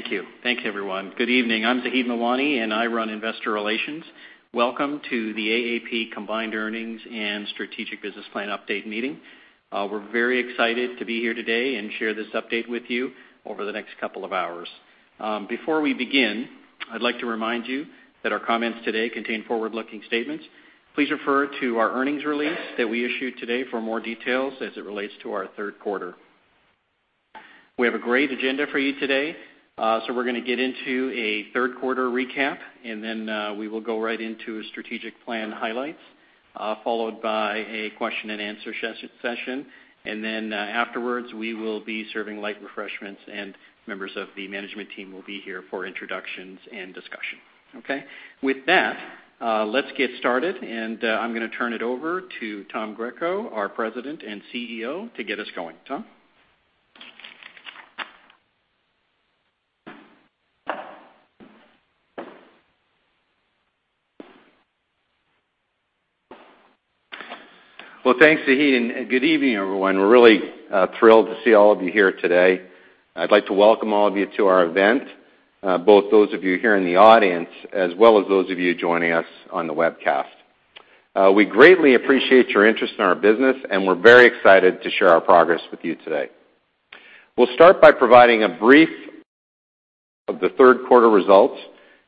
Thank you. Thank you everyone. Good evening. I'm Zaheed Mawani, and I run investor relations. Welcome to the AAP Combined Earnings and Strategic Business Plan Update Meeting. We're very excited to be here today and share this update with you over the next couple of hours. Before we begin, I'd like to remind you that our comments today contain forward-looking statements. Please refer to our earnings release that we issued today for more details as it relates to our third quarter. We have a great agenda for you today. We're going to get into a third quarter recap, then we will go right into strategic plan highlights, followed by a question and answer session. Afterwards, we will be serving light refreshments, and members of the management team will be here for introductions and discussion. Okay? With that, let's get started. I'm going to turn it over to Tom Greco, our President and CEO, to get us going. Tom? Well, thanks, Zaheed. Good evening, everyone. We're really thrilled to see all of you here today. I'd like to welcome all of you to our event, both those of you here in the audience, as well as those of you joining us on the webcast. We greatly appreciate your interest in our business. We're very excited to share our progress with you today. We'll start by providing a brief of the third quarter results,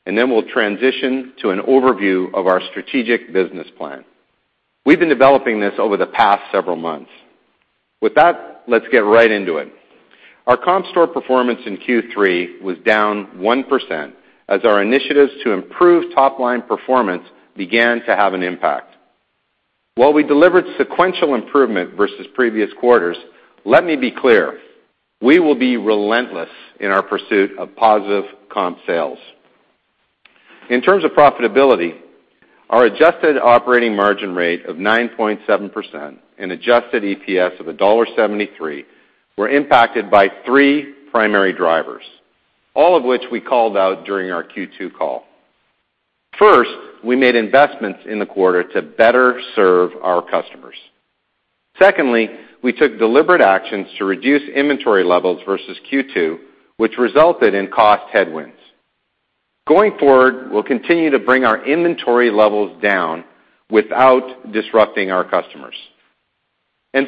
then we'll transition to an overview of our strategic business plan. We've been developing this over the past several months. With that, let's get right into it. Our comp store performance in Q3 was down 1% as our initiatives to improve top-line performance began to have an impact. While we delivered sequential improvement versus previous quarters, let me be clear, we will be relentless in our pursuit of positive comp sales. In terms of profitability, our adjusted operating margin rate of 9.7% and adjusted EPS of $1.73 were impacted by three primary drivers, all of which we called out during our Q2 call. First, we made investments in the quarter to better serve our customers. Secondly, we took deliberate actions to reduce inventory levels versus Q2, which resulted in cost headwinds. Going forward, we'll continue to bring our inventory levels down without disrupting our customers.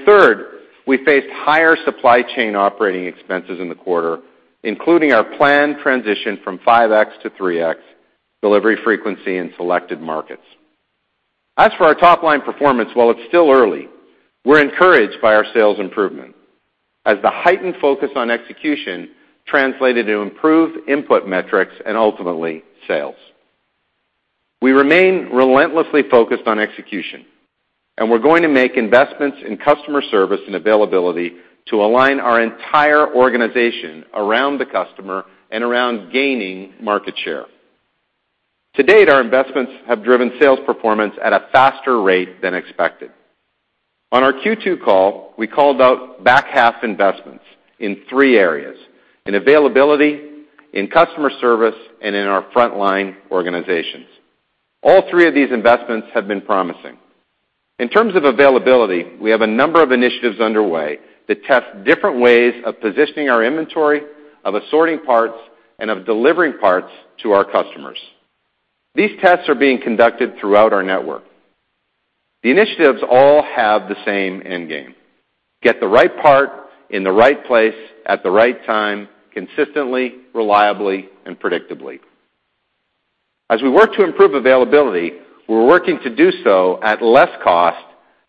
Third, we faced higher supply chain operating expenses in the quarter, including our planned transition from 5X to 3X delivery frequency in selected markets. As for our top-line performance, while it's still early, we're encouraged by our sales improvement as the heightened focus on execution translated to improved input metrics and ultimately, sales. We remain relentlessly focused on execution. We're going to make investments in customer service and availability to align our entire organization around the customer and around gaining market share. To date, our investments have driven sales performance at a faster rate than expected. On our Q2 call, we called out back-half investments in three areas: in availability, in customer service, and in our frontline organizations. All three of these investments have been promising. In terms of availability, we have a number of initiatives underway that test different ways of positioning our inventory, of assorting parts, and of delivering parts to our customers. These tests are being conducted throughout our network. The initiatives all have the same end game: get the right part in the right place at the right time, consistently, reliably, and predictably. As we work to improve availability, we're working to do so at less cost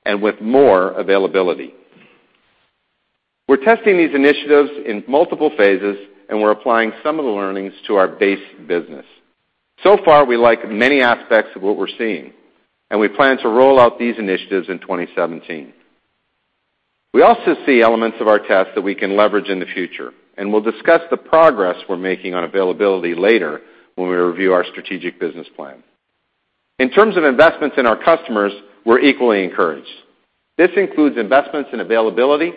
and with more availability. We're testing these initiatives in multiple phases. We're applying some of the learnings to our base business. So far, we like many aspects of what we're seeing. We plan to roll out these initiatives in 2017. We also see elements of our tests that we can leverage in the future. We'll discuss the progress we're making on availability later when we review our strategic business plan. In terms of investments in our customers, we're equally encouraged. This includes investments in availability,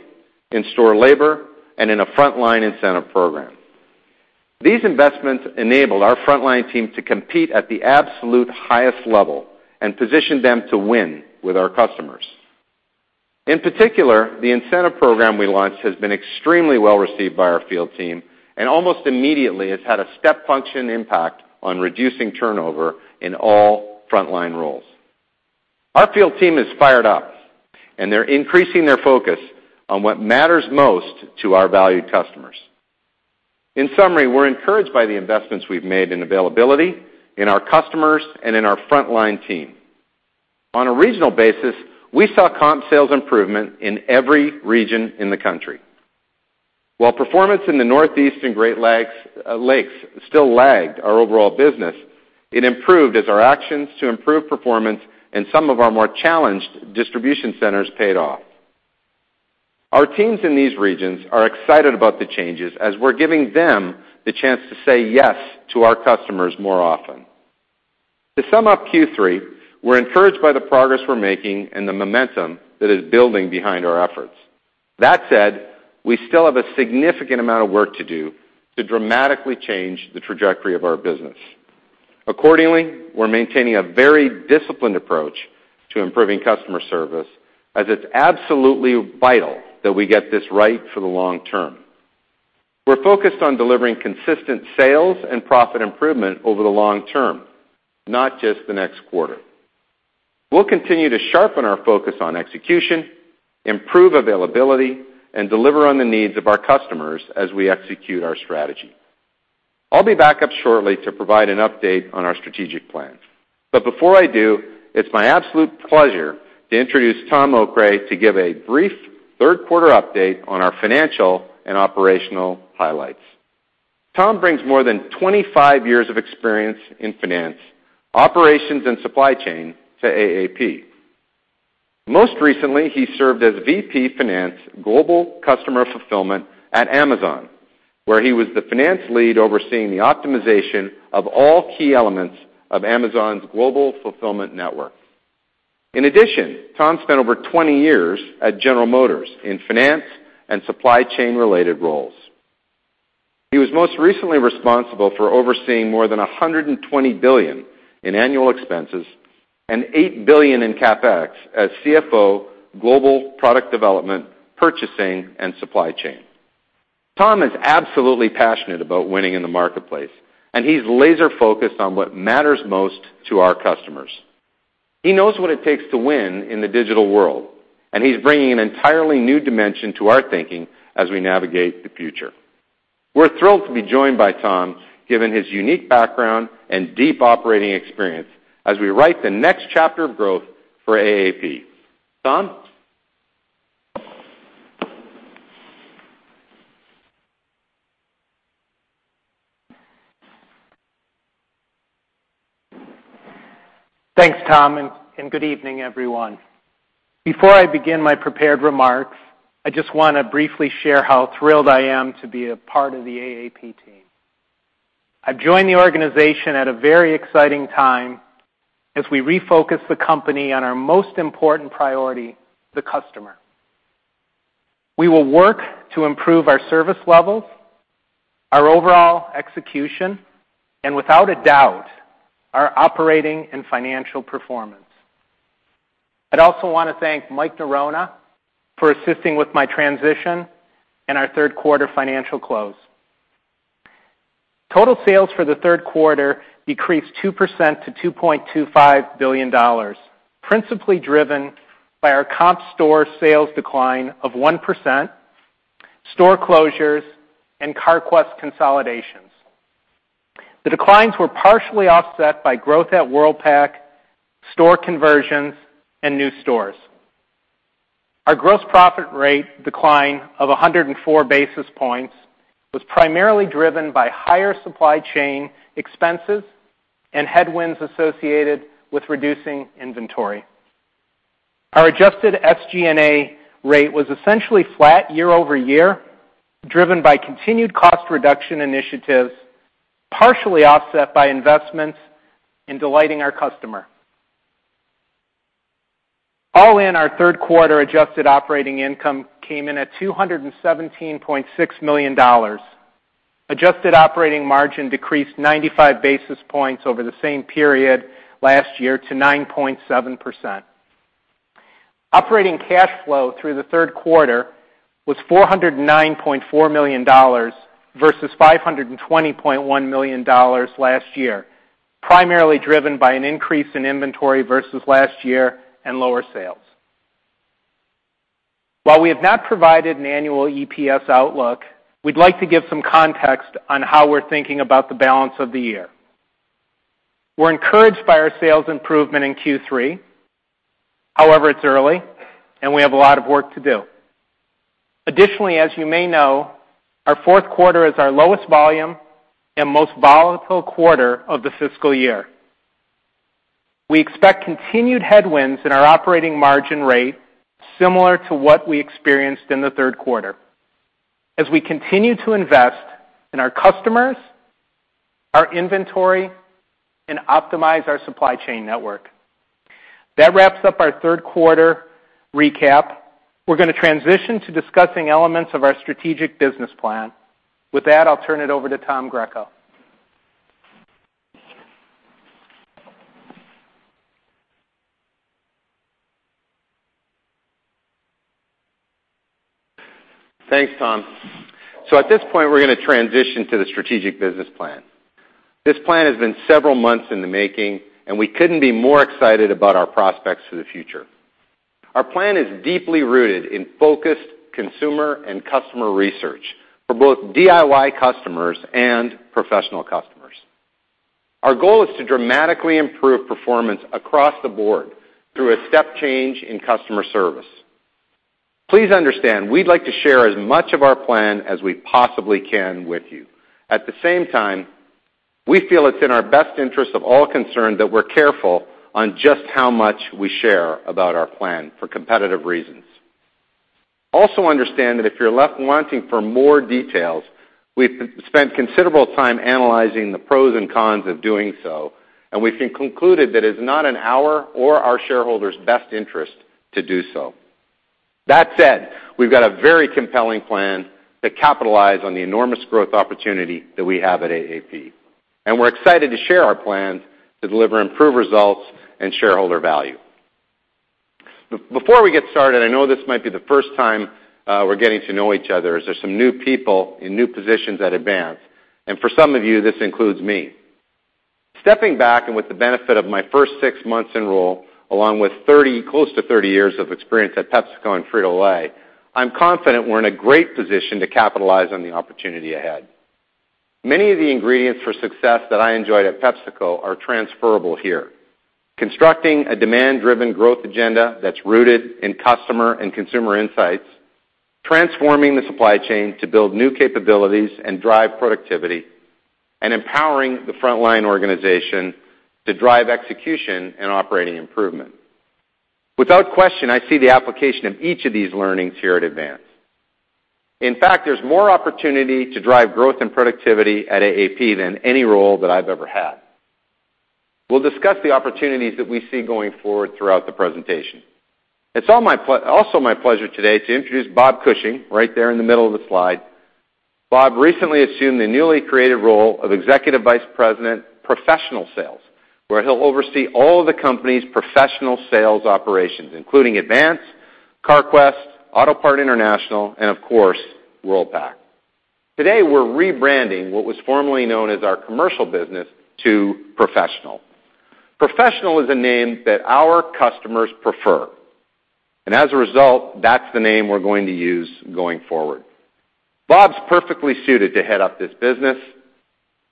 in store labor, and in a frontline incentive program. These investments enable our frontline team to compete at the absolute highest level and position them to win with our customers. In particular, the incentive program we launched has been extremely well-received by our field team. Almost immediately has had a step function impact on reducing turnover in all frontline roles. Our field team is fired up. They're increasing their focus on what matters most to our valued customers. In summary, we're encouraged by the investments we've made in availability, in our customers, and in our frontline team. On a regional basis, we saw comp sales improvement in every region in the country. While performance in the Northeast and Great Lakes still lagged our overall business, it improved as our actions to improve performance in some of our more challenged distribution centers paid off. Our teams in these regions are excited about the changes as we're giving them the chance to say yes to our customers more often. To sum up Q3, we're encouraged by the progress we're making. The momentum that is building behind our efforts. That said, we still have a significant amount of work to do to dramatically change the trajectory of our business. Accordingly, we're maintaining a very disciplined approach to improving customer service, as it's absolutely vital that we get this right for the long term. We're focused on delivering consistent sales and profit improvement over the long term, not just the next quarter. We'll continue to sharpen our focus on execution, improve availability, and deliver on the needs of our customers as we execute our strategy. I'll be back up shortly to provide an update on our strategic plan. Before I do, it's my absolute pleasure to introduce Tom Okray to give a brief third quarter update on our financial and operational highlights. Tom brings more than 25 years of experience in finance, operations, and supply chain to AAP. Most recently, he served as VP Finance, Global Customer Fulfillment at Amazon, where he was the finance lead overseeing the optimization of all key elements of Amazon's global fulfillment network. In addition, Tom spent over 20 years at General Motors in finance and supply chain-related roles. He was most recently responsible for overseeing more than $120 billion in annual expenses and $8 billion in CapEx as CFO, Global Product Development, Purchasing, and Supply Chain. Tom is absolutely passionate about winning in the marketplace. He's laser-focused on what matters most to our customers. He knows what it takes to win in the digital world. He's bringing an entirely new dimension to our thinking as we navigate the future. We're thrilled to be joined by Tom, given his unique background and deep operating experience, as we write the next chapter of growth for AAP. Tom? Thanks, Tom. Good evening, everyone. Before I begin my prepared remarks, I just want to briefly share how thrilled I am to be a part of the AAP team. I've joined the organization at a very exciting time as we refocus the company on our most important priority, the customer. We will work to improve our service levels, our overall execution, and without a doubt, our operating and financial performance. I'd also want to thank Mike Norona for assisting with my transition and our third quarter financial close. Total sales for the third quarter decreased 2% to $2.25 billion, principally driven by our comp store sales decline of 1%, store closures, and Carquest consolidations. The declines were partially offset by growth at Worldpac, store conversions, and new stores. Our gross profit rate decline of 104 basis points was primarily driven by higher supply chain expenses and headwinds associated with reducing inventory. Our adjusted SG&A rate was essentially flat year-over-year, driven by continued cost reduction initiatives, partially offset by investments in delighting our customer. All in, our third quarter adjusted operating income came in at $217.6 million. Adjusted operating margin decreased 95 basis points over the same period last year to 9.7%. Operating cash flow through the third quarter was $409.4 million versus $520.1 million last year, primarily driven by an increase in inventory versus last year and lower sales. While we have not provided an annual EPS outlook, we'd like to give some context on how we're thinking about the balance of the year. We're encouraged by our sales improvement in Q3. However, it's early. We have a lot of work to do. Additionally, as you may know, our fourth quarter is our lowest volume and most volatile quarter of the fiscal year. We expect continued headwinds in our operating margin rate similar to what we experienced in the third quarter as we continue to invest in our customers, our inventory, and optimize our supply chain network. That wraps up our third quarter recap. We're going to transition to discussing elements of our strategic business plan. With that, I'll turn it over to Tom Greco. Thanks, Tom. At this point, we're going to transition to the strategic business plan. This plan has been several months in the making and we couldn't be more excited about our prospects for the future. Our plan is deeply rooted in focused consumer and customer research for both DIY customers and professional customers. Our goal is to dramatically improve performance across the board through a step change in customer service. Please understand, we'd like to share as much of our plan as we possibly can with you. At the same time, we feel it's in our best interest of all concerned that we're careful on just how much we share about our plan for competitive reasons. Understand that if you're left wanting for more details, we've spent considerable time analyzing the pros and cons of doing so, and we've concluded that it's not in our or our shareholders' best interest to do so. That said, we've got a very compelling plan to capitalize on the enormous growth opportunity that we have at AAP, and we're excited to share our plans to deliver improved results and shareholder value. Before we get started, I know this might be the first time we're getting to know each other as there's some new people in new positions at Advance. For some of you, this includes me. Stepping back, and with the benefit of my first six months in role, along with close to 30 years of experience at PepsiCo and Frito-Lay, I'm confident we're in a great position to capitalize on the opportunity ahead. Many of the ingredients for success that I enjoyed at PepsiCo are transferable here. Constructing a demand-driven growth agenda that's rooted in customer and consumer insights, transforming the supply chain to build new capabilities and drive productivity, and empowering the frontline organization to drive execution and operating improvement. Without question, I see the application of each of these learnings here at Advance. In fact, there's more opportunity to drive growth and productivity at AAP than any role that I've ever had. We'll discuss the opportunities that we see going forward throughout the presentation. It's also my pleasure today to introduce Bob Cushing, right there in the middle of the slide. Bob recently assumed the newly created role of Executive Vice President, Professional Sales, where he'll oversee all of the company's professional sales operations, including Advance, Carquest, Autopart International, and of course, Worldpac. Today, we're rebranding what was formerly known as our commercial business to Professional. Professional is a name that our customers prefer. As a result, that's the name we're going to use going forward. Bob's perfectly suited to head up this business.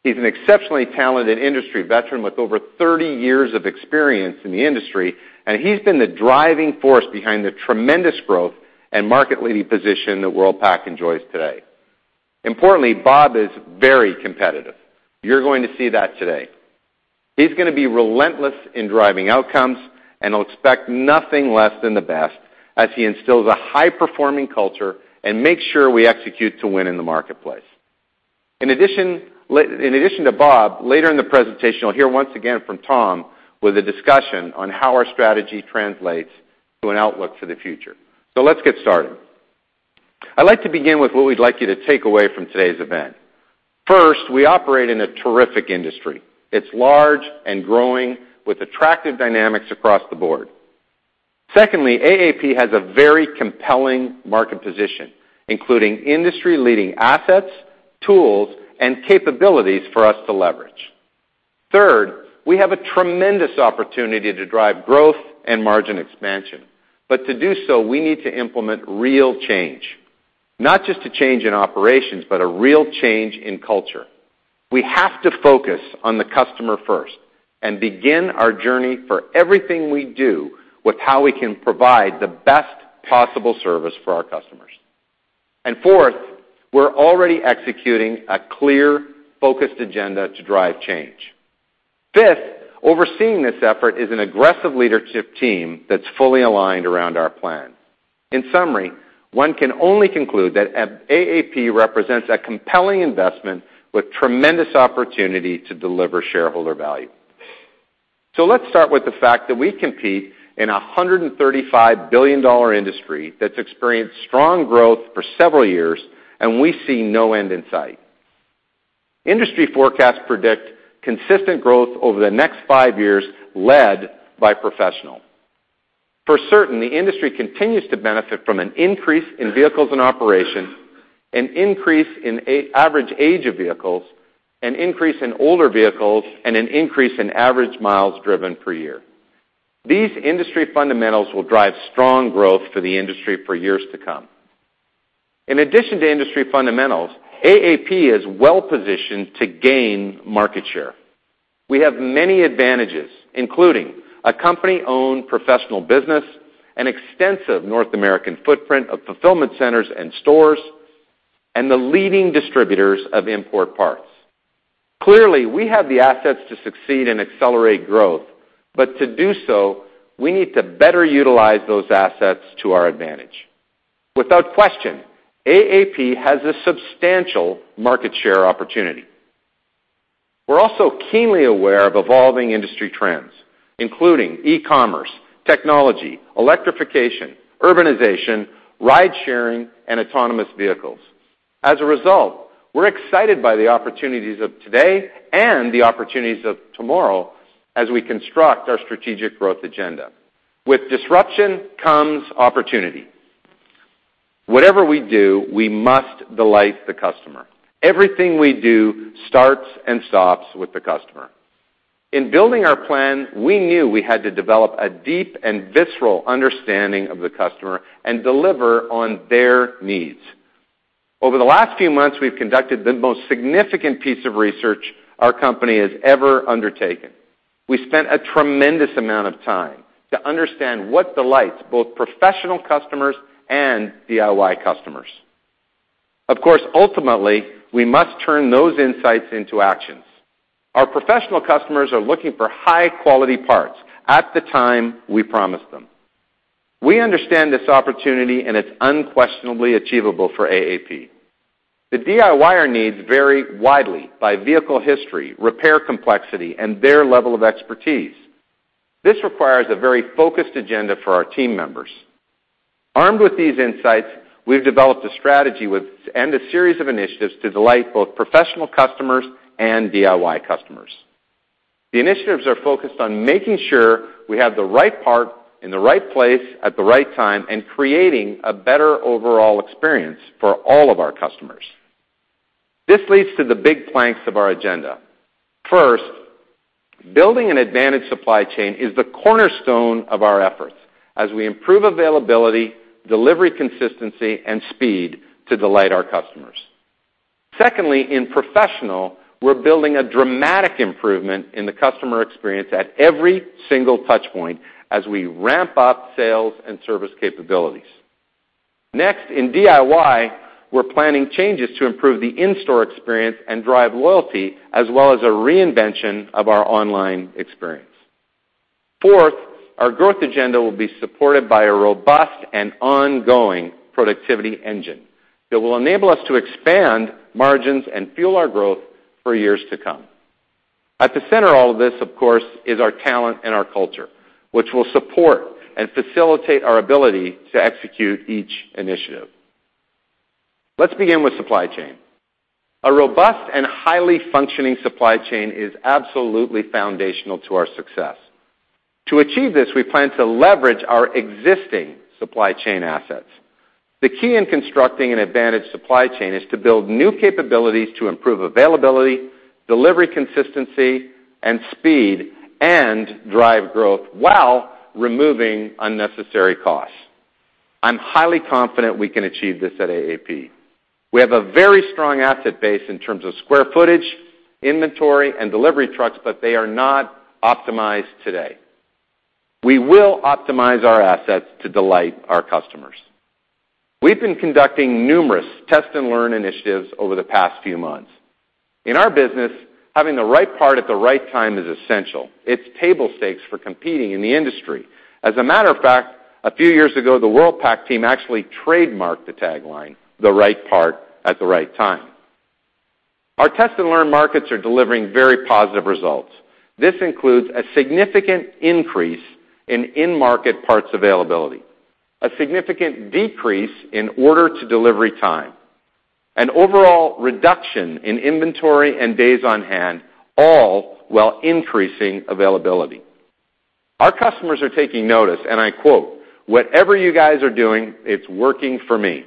He's an exceptionally talented industry veteran with over 30 years of experience in the industry, and he's been the driving force behind the tremendous growth and market leading position that Worldpac enjoys today. Importantly, Bob is very competitive. You're going to see that today. He's going to be relentless in driving outcomes and will expect nothing less than the best as he instills a high-performing culture and makes sure we execute to win in the marketplace. In addition to Bob, later in the presentation, you'll hear once again from Tom with a discussion on how our strategy translates to an outlook for the future. Let's get started. I'd like to begin with what we'd like you to take away from today's event. First, we operate in a terrific industry. It's large and growing with attractive dynamics across the board. Secondly, AAP has a very compelling market position, including industry-leading assets, tools, and capabilities for us to leverage. Third, we have a tremendous opportunity to drive growth and margin expansion. To do so, we need to implement real change. Not just a change in operations, but a real change in culture. We have to focus on the customer first and begin our journey for everything we do with how we can provide the best possible service for our customers. Fourth, we're already executing a clear, focused agenda to drive change. Fifth, overseeing this effort is an aggressive leadership team that's fully aligned around our plan. In summary, one can only conclude that AAP represents a compelling investment with tremendous opportunity to deliver shareholder value. Let's start with the fact that we compete in a $135 billion industry that's experienced strong growth for several years, and we see no end in sight. Industry forecasts predict consistent growth over the next five years, led by professional. For certain, the industry continues to benefit from an increase in vehicles in operation, an increase in average age of vehicles, an increase in older vehicles, and an increase in average miles driven per year. These industry fundamentals will drive strong growth for the industry for years to come. In addition to industry fundamentals, AAP is well-positioned to gain market share. We have many advantages, including a company-owned professional business, an extensive North American footprint of fulfillment centers and stores, and the leading distributors of import parts. Clearly, we have the assets to succeed and accelerate growth. To do so, we need to better utilize those assets to our advantage. Without question, AAP has a substantial market share opportunity. We're also keenly aware of evolving industry trends, including e-commerce, technology, electrification, urbanization, ride-sharing, and autonomous vehicles. As a result, we're excited by the opportunities of today and the opportunities of tomorrow as we construct our strategic growth agenda. With disruption comes opportunity. Whatever we do, we must delight the customer. Everything we do starts and stops with the customer. In building our plan, we knew we had to develop a deep and visceral understanding of the customer and deliver on their needs. Over the last few months, we've conducted the most significant piece of research our company has ever undertaken. We spent a tremendous amount of time to understand what delights both professional customers and DIY customers. Of course, ultimately, we must turn those insights into actions. Our professional customers are looking for high-quality parts at the time we promise them. We understand this opportunity, and it's unquestionably achievable for AAP. The DIYer needs vary widely by vehicle history, repair complexity, and their level of expertise. This requires a very focused agenda for our team members. Armed with these insights, we've developed a strategy and a series of initiatives to delight both professional customers and DIY customers. The initiatives are focused on making sure we have the right part in the right place at the right time and creating a better overall experience for all of our customers. This leads to the big planks of our agenda. First, building an advantage supply chain is the cornerstone of our efforts as we improve availability, delivery consistency, and speed to delight our customers. Secondly, in professional, we're building a dramatic improvement in the customer experience at every single touch point as we ramp up sales and service capabilities. Next, in DIY, we're planning changes to improve the in-store experience and drive loyalty, as well as a reinvention of our online experience. Fourth, our growth agenda will be supported by a robust and ongoing productivity engine that will enable us to expand margins and fuel our growth for years to come. At the center of all of this, of course, is our talent and our culture, which will support and facilitate our ability to execute each initiative. Let's begin with supply chain. A robust and highly functioning supply chain is absolutely foundational to our success. To achieve this, we plan to leverage our existing supply chain assets. The key in constructing an advantage supply chain is to build new capabilities to improve availability, delivery consistency, and speed, and drive growth while removing unnecessary costs. I'm highly confident we can achieve this at AAP. We have a very strong asset base in terms of square footage, inventory, and delivery trucks, but they are not optimized today. We will optimize our assets to delight our customers. We've been conducting numerous test-and-learn initiatives over the past few months. In our business, having the right part at the right time is essential. It's table stakes for competing in the industry. As a matter of fact, a few years ago, the Worldpac team actually trademarked the tagline, "The right part at the right time." Our test-and-learn markets are delivering very positive results. This includes a significant increase in in-market parts availability, a significant decrease in order-to-delivery time, an overall reduction in inventory and days on hand, all while increasing availability. Our customers are taking notice, and I quote, "Whatever you guys are doing, it's working for me.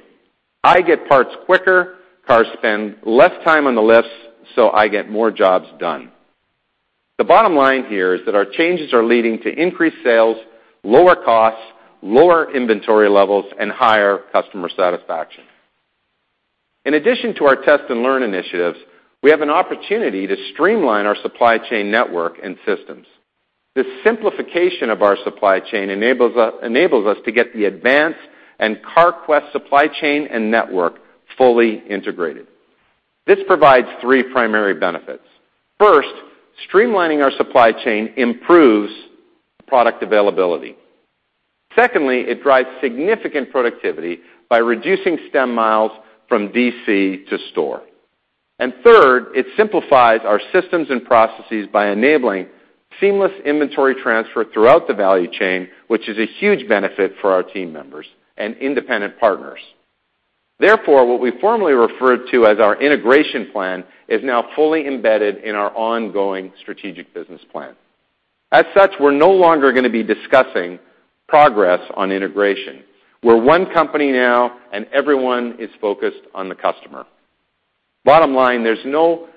I get parts quicker, cars spend less time on the lifts, so I get more jobs done." The bottom line here is that our changes are leading to increased sales, lower costs, lower inventory levels, and higher customer satisfaction. In addition to our test-and-learn initiatives, we have an opportunity to streamline our supply chain network and systems. This simplification of our supply chain enables us to get the Advance and Carquest supply chain and network fully integrated. This provides three primary benefits. First, streamlining our supply chain improves product availability. Secondly, it drives significant productivity by reducing stem miles from DC to store. Third, it simplifies our systems and processes by enabling seamless inventory transfer throughout the value chain, which is a huge benefit for our team members and independent partners. Therefore, what we formerly referred to as our integration plan is now fully embedded in our ongoing strategic business plan. As such, we're no longer going to be discussing progress on integration. We're one company now, and everyone is focused on the customer. Bottom line, there's no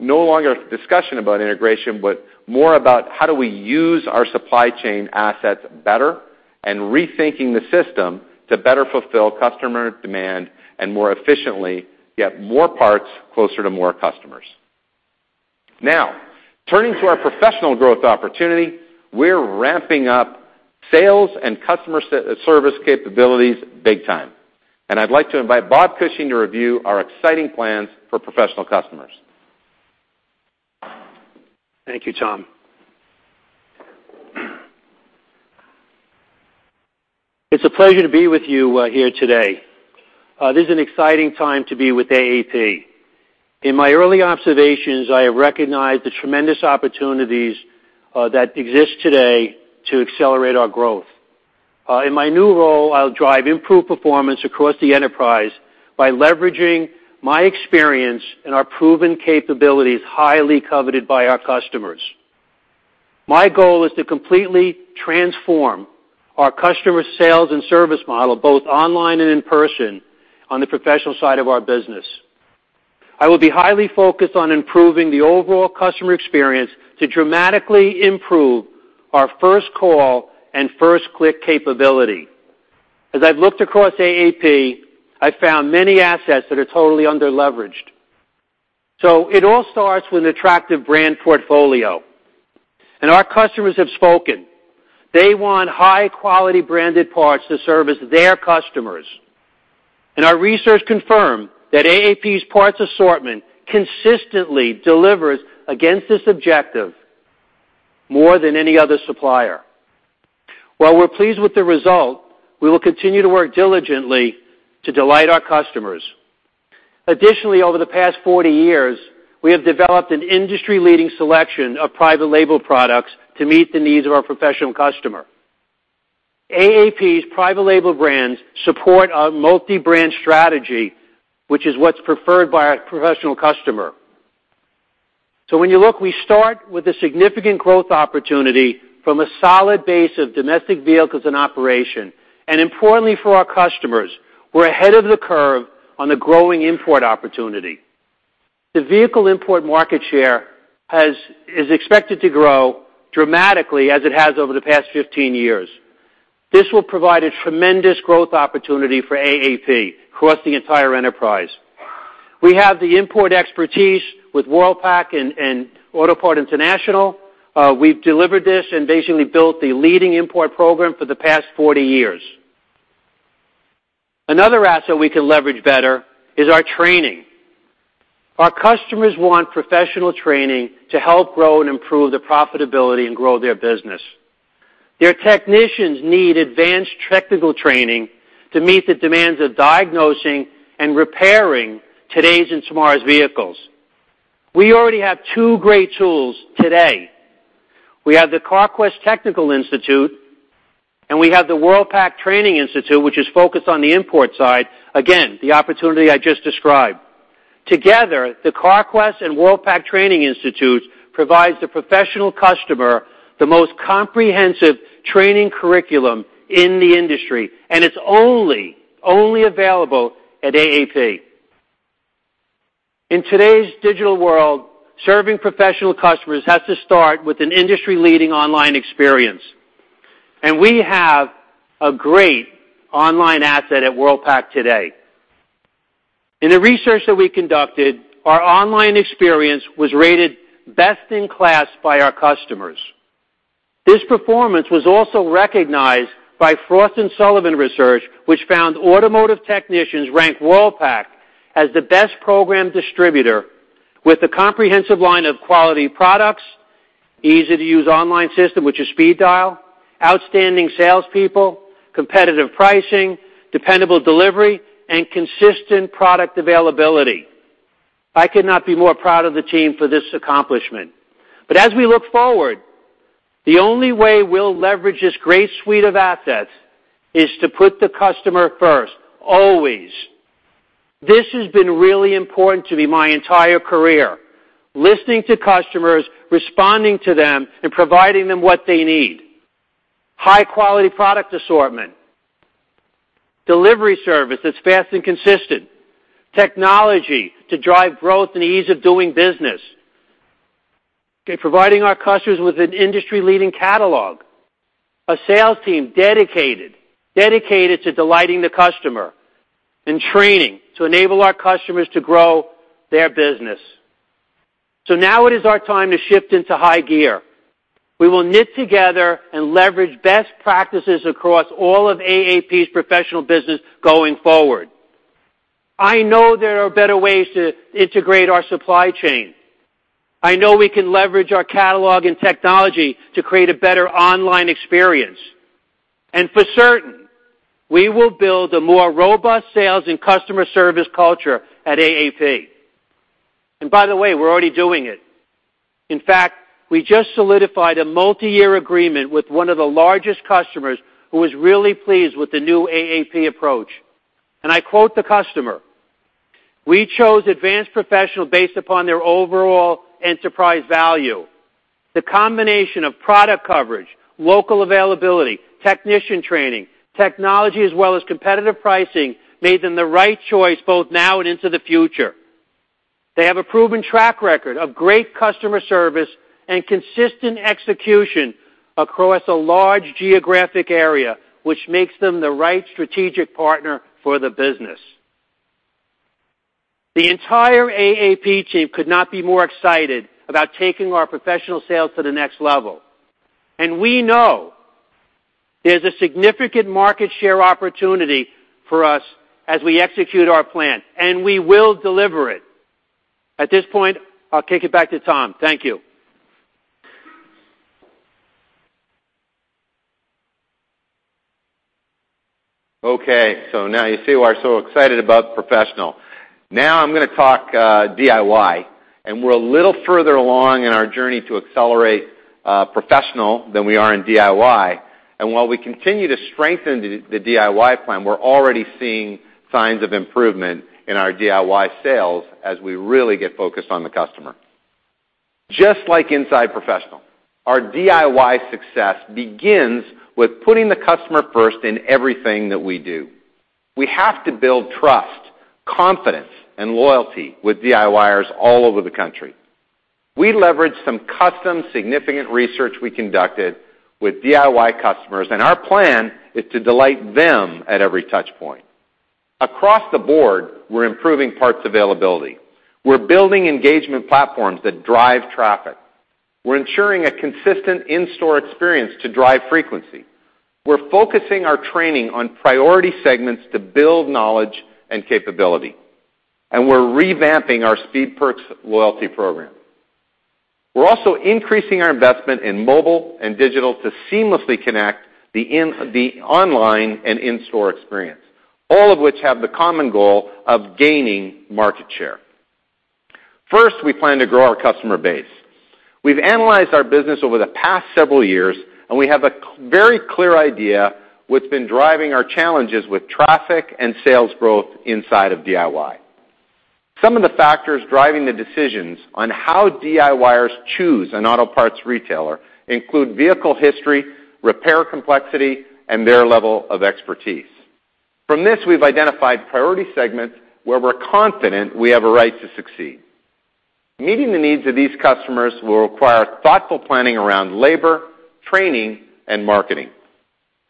longer discussion about integration, but more about how do we use our supply chain assets better and rethinking the system to better fulfill customer demand and more efficiently get more parts closer to more customers. Now, turning to our professional growth opportunity, we're ramping up sales and customer service capabilities big time. I'd like to invite Bob Cushing to review our exciting plans for professional customers. Thank you, Tom. It's a pleasure to be with you here today. This is an exciting time to be with AAP. In my early observations, I have recognized the tremendous opportunities that exist today to accelerate our growth. In my new role, I'll drive improved performance across the enterprise by leveraging my experience and our proven capabilities, highly coveted by our customers. My goal is to completely transform our customer sales and service model, both online and in person, on the professional side of our business. I will be highly focused on improving the overall customer experience to dramatically improve our first call and first click capability. As I've looked across AAP, I've found many assets that are totally under-leveraged. It all starts with an attractive brand portfolio. Our customers have spoken. They want high-quality branded parts to service their customers. Our research confirmed that AAP's parts assortment consistently delivers against this objective more than any other supplier. While we're pleased with the result, we will continue to work diligently to delight our customers. Additionally, over the past 40 years, we have developed an industry-leading selection of private label products to meet the needs of our professional customer. AAP's private label brands support our multi-brand strategy, which is what's preferred by our professional customer. When you look, we start with a significant growth opportunity from a solid base of domestic vehicles in operation. Importantly for our customers, we're ahead of the curve on the growing import opportunity. The vehicle import market share is expected to grow dramatically as it has over the past 15 years. This will provide a tremendous growth opportunity for AAP across the entire enterprise. We have the import expertise with Worldpac and Autopart International. We've delivered this and basically built the leading import program for the past 40 years. Another asset we can leverage better is our training. Our customers want professional training to help grow and improve their profitability and grow their business. Their technicians need advanced technical training to meet the demands of diagnosing and repairing today's and tomorrow's vehicles. We already have two great tools today. We have the Carquest Technical Institute, and we have the Worldpac Training Institute, which is focused on the import side, again, the opportunity I just described. Together, the Carquest and Worldpac Training Institutes provides the professional customer the most comprehensive training curriculum in the industry, and it's only available at AAP. In today's digital world, serving professional customers has to start with an industry-leading online experience. We have a great online asset at Worldpac today. In the research that we conducted, our online experience was rated best in class by our customers. This performance was also recognized by Frost & Sullivan Research, which found automotive technicians rank Worldpac as the best program distributor with a comprehensive line of quality products, easy-to-use online system, which is speedDIAL, outstanding salespeople, competitive pricing, dependable delivery, and consistent product availability. I could not be more proud of the team for this accomplishment. As we look forward, the only way we'll leverage this great suite of assets is to put the customer first, always. This has been really important to me my entire career, listening to customers, responding to them, and providing them what they need. High-quality product assortment, delivery service that's fast and consistent, technology to drive growth and ease of doing business, providing our customers with an industry-leading catalog, a sales team dedicated to delighting the customer, and training to enable our customers to grow their business. Now it is our time to shift into high gear. We will knit together and leverage best practices across all of AAP's professional business going forward. I know there are better ways to integrate our supply chain. I know we can leverage our catalog and technology to create a better online experience. For certain, we will build a more robust sales and customer service culture at AAP. By the way, we're already doing it. In fact, we just solidified a multi-year agreement with one of the largest customers who was really pleased with the new AAP approach. I quote the customer, "We chose Advance Professional based upon their overall enterprise value. The combination of product coverage, local availability, technician training, technology as well as competitive pricing made them the right choice both now and into the future. They have a proven track record of great customer service and consistent execution across a large geographic area, which makes them the right strategic partner for the business." The entire AAP team could not be more excited about taking our professional sales to the next level. We know there's a significant market share opportunity for us as we execute our plan, and we will deliver it. At this point, I'll kick it back to Tom. Thank you. Now you see why we're so excited about professional. Now I'm going to talk DIY, we're a little further along in our journey to accelerate professional than we are in DIY. While we continue to strengthen the DIY plan, we're already seeing signs of improvement in our DIY sales as we really get focused on the customer. Just like inside professional, our DIY success begins with putting the customer first in everything that we do. We have to build trust, confidence, and loyalty with DIYers all over the country. We leveraged some custom, significant research we conducted with DIY customers, our plan is to delight them at every touchpoint. Across the board, we're improving parts availability. We're building engagement platforms that drive traffic. We're ensuring a consistent in-store experience to drive frequency. We're focusing our training on priority segments to build knowledge and capability. We're revamping our Speed Perks loyalty program. We're also increasing our investment in mobile and digital to seamlessly connect the online and in-store experience, all of which have the common goal of gaining market share. First, we plan to grow our customer base. We've analyzed our business over the past several years, and we have a very clear idea what's been driving our challenges with traffic and sales growth inside of DIY. Some of the factors driving the decisions on how DIYers choose an auto parts retailer include vehicle history, repair complexity, and their level of expertise. From this, we've identified priority segments where we're confident we have a right to succeed. Meeting the needs of these customers will require thoughtful planning around labor, training, and marketing.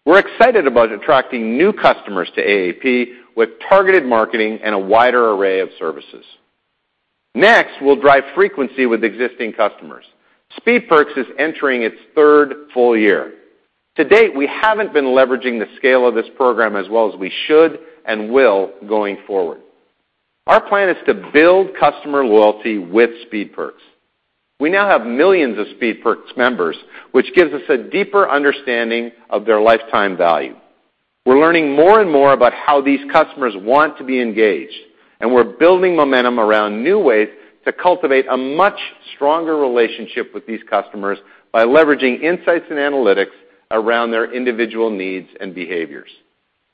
We're excited about attracting new customers to AAP with targeted marketing and a wider array of services. Next, we'll drive frequency with existing customers. Speed Perks is entering its third full year. To date, we haven't been leveraging the scale of this program as well as we should and will going forward. Our plan is to build customer loyalty with Speed Perks. We now have millions of Speed Perks members, which gives us a deeper understanding of their lifetime value. We're learning more and more about how these customers want to be engaged, and we're building momentum around new ways to cultivate a much stronger relationship with these customers by leveraging insights and analytics around their individual needs and behaviors.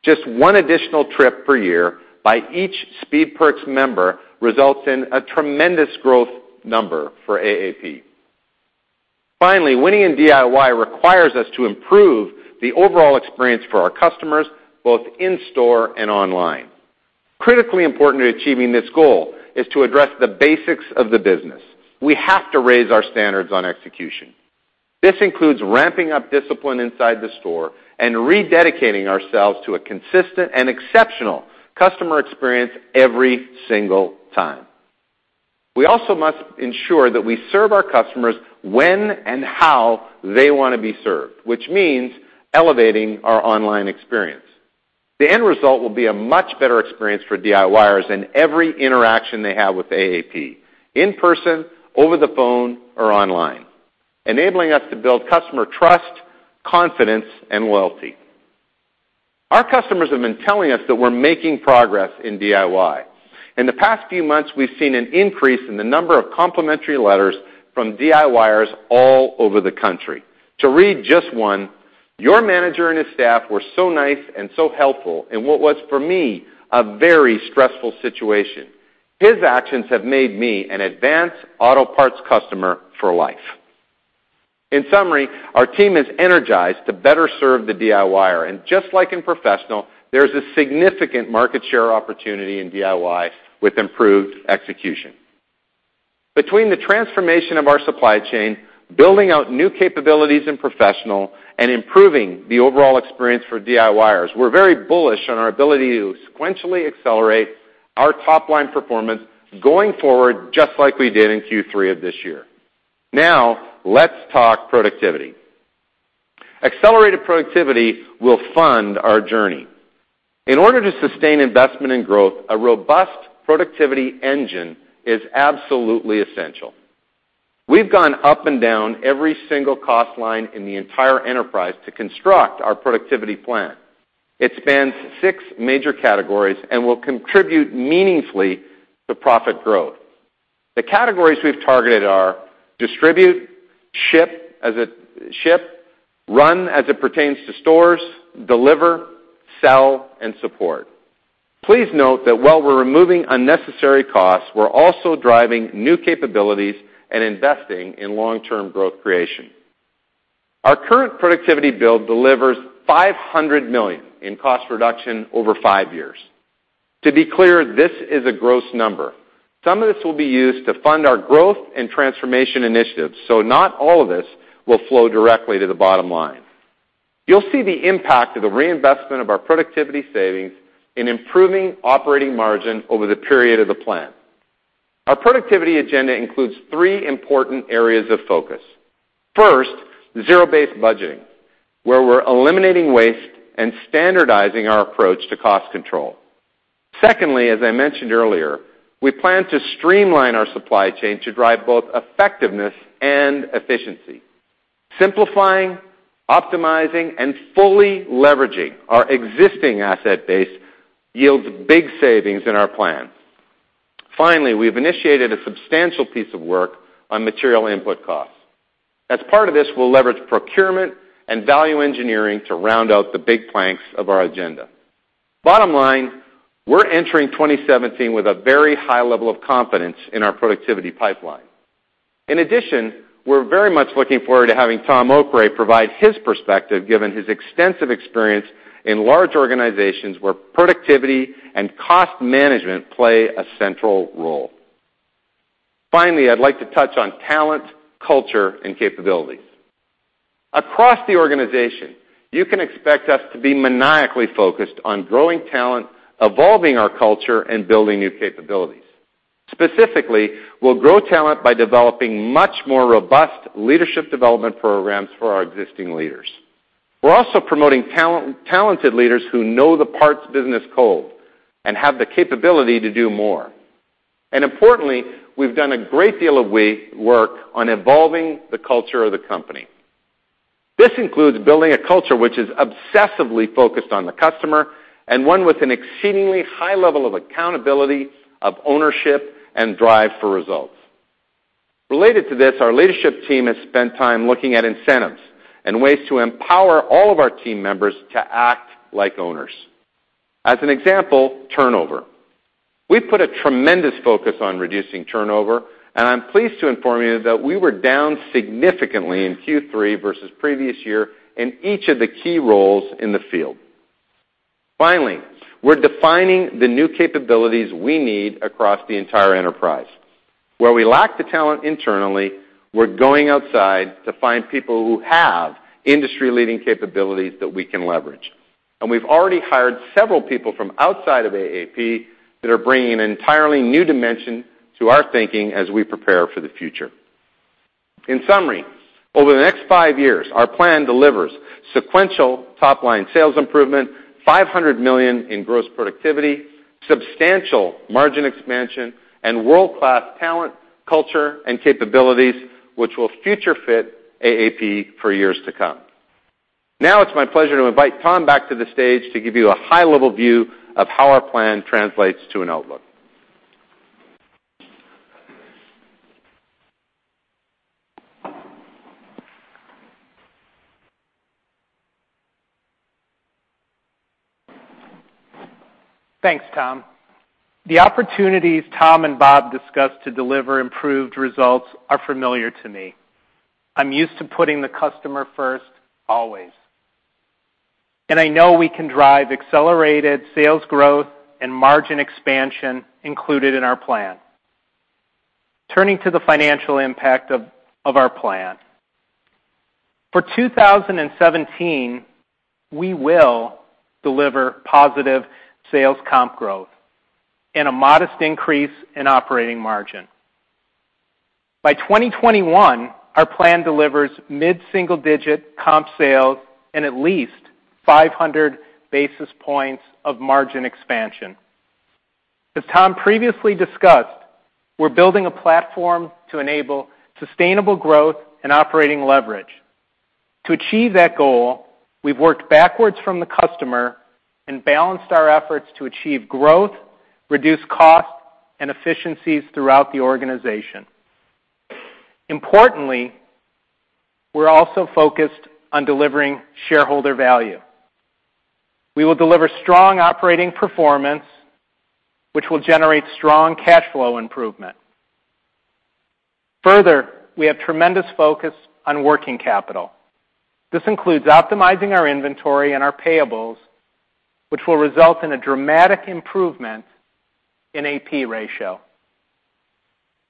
Just one additional trip per year by each Speed Perks member results in a tremendous growth number for AAP. Finally, winning in DIY requires us to improve the overall experience for our customers, both in store and online. Critically important to achieving this goal is to address the basics of the business. We have to raise our standards on execution. This includes ramping up discipline inside the store and rededicating ourselves to a consistent and exceptional customer experience every single time. We also must ensure that we serve our customers when and how they want to be served, which means elevating our online experience. The end result will be a much better experience for DIYers in every interaction they have with AAP, in person, over the phone, or online, enabling us to build customer trust, confidence, and loyalty. Our customers have been telling us that we're making progress in DIY. In the past few months, we've seen an increase in the number of complimentary letters from DIYers all over the country. To read just one, "Your manager and his staff were so nice and so helpful in what was for me, a very stressful situation. His actions have made me an Advance Auto Parts customer for life." In summary, our team is energized to better serve the DIYer, and just like in professional, there's a significant market share opportunity in DIY with improved execution. Between the transformation of our supply chain, building out new capabilities in professional, and improving the overall experience for DIYers, we're very bullish on our ability to sequentially accelerate our top-line performance going forward, just like we did in Q3 of this year. Now, let's talk productivity. Accelerated productivity will fund our journey. In order to sustain investment and growth, a robust productivity engine is absolutely essential. We've gone up and down every single cost line in the entire enterprise to construct our productivity plan. It spans 6 major categories and will contribute meaningfully to profit growth. The categories we've targeted are distribute, ship, run as it pertains to stores, deliver, sell, and support. Please note that while we're removing unnecessary costs, we're also driving new capabilities and investing in long-term growth creation. Our current productivity build delivers $500 million in cost reduction over five years. To be clear, this is a gross number. Some of this will be used to fund our growth and transformation initiatives, so not all of this will flow directly to the bottom line. You'll see the impact of the reinvestment of our productivity savings in improving operating margin over the period of the plan. Our productivity agenda includes three important areas of focus. First, zero-based budgeting, where we're eliminating waste and standardizing our approach to cost control. Secondly, as I mentioned earlier, we plan to streamline our supply chain to drive both effectiveness and efficiency. Simplifying, optimizing, and fully leveraging our existing asset base yields big savings in our plan. Finally, we've initiated a substantial piece of work on material input costs. As part of this, we'll leverage procurement and value engineering to round out the big planks of our agenda. Bottom line, we're entering 2017 with a very high level of confidence in our productivity pipeline. We're very much looking forward to having Tom Okray provide his perspective, given his extensive experience in large organizations where productivity and cost management play a central role. I'd like to touch on talent, culture, and capabilities. Across the organization, you can expect us to be maniacally focused on growing talent, evolving our culture, and building new capabilities. Specifically, we'll grow talent by developing much more robust leadership development programs for our existing leaders. We're also promoting talented leaders who know the parts business cold and have the capability to do more. Importantly, we've done a great deal of work on evolving the culture of the company. This includes building a culture which is obsessively focused on the customer and one with an exceedingly high level of accountability of ownership and drive for results. Related to this, our leadership team has spent time looking at incentives and ways to empower all of our team members to act like owners. As an example, turnover. We've put a tremendous focus on reducing turnover, and I'm pleased to inform you that we were down significantly in Q3 versus previous year in each of the key roles in the field. We're defining the new capabilities we need across the entire enterprise. Where we lack the talent internally, we're going outside to find people who have industry-leading capabilities that we can leverage. We've already hired several people from outside of AAP that are bringing an entirely new dimension to our thinking as we prepare for the future. Over the next five years, our plan delivers sequential top-line sales improvement, $500 million in gross productivity, substantial margin expansion, and world-class talent, culture, and capabilities, which will future fit AAP for years to come. It's my pleasure to invite Tom back to the stage to give you a high-level view of how our plan translates to an outlook. Thanks, Tom. The opportunities Tom and Bob discussed to deliver improved results are familiar to me. I'm used to putting the customer first always. I know we can drive accelerated sales growth and margin expansion included in our plan. Turning to the financial impact of our plan. For 2017, we will deliver positive sales comp growth and a modest increase in operating margin. By 2021, our plan delivers mid-single-digit comp sales and at least 500 basis points of margin expansion. As Tom previously discussed, we're building a platform to enable sustainable growth and operating leverage. To achieve that goal, we've worked backwards from the customer and balanced our efforts to achieve growth, reduce costs, and efficiencies throughout the organization. Importantly, we're also focused on delivering shareholder value. We will deliver strong operating performance, which will generate strong cash flow improvement. Further, we have tremendous focus on working capital. This includes optimizing our inventory and our payables, which will result in a dramatic improvement in AP ratio.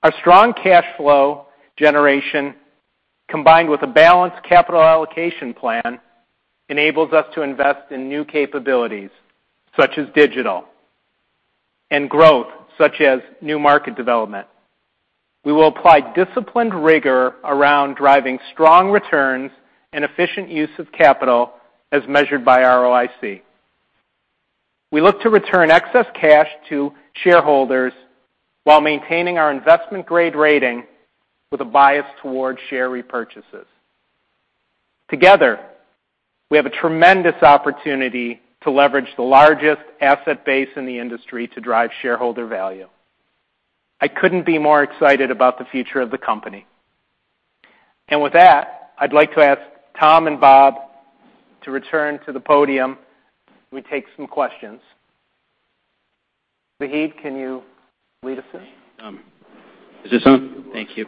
Our strong cash flow generation, combined with a balanced capital allocation plan, enables us to invest in new capabilities, such as digital, and growth, such as new market development. We will apply disciplined rigor around driving strong returns and efficient use of capital as measured by ROIC. We look to return excess cash to shareholders while maintaining our investment-grade rating with a bias toward share repurchases. Together, we have a tremendous opportunity to leverage the largest asset base in the industry to drive shareholder value. I couldn't be more excited about the future of the company. With that, I'd like to ask Tom and Bob to return to the podium. We'll take some questions. Zaheed, can you lead us in? Is this on? Thank you.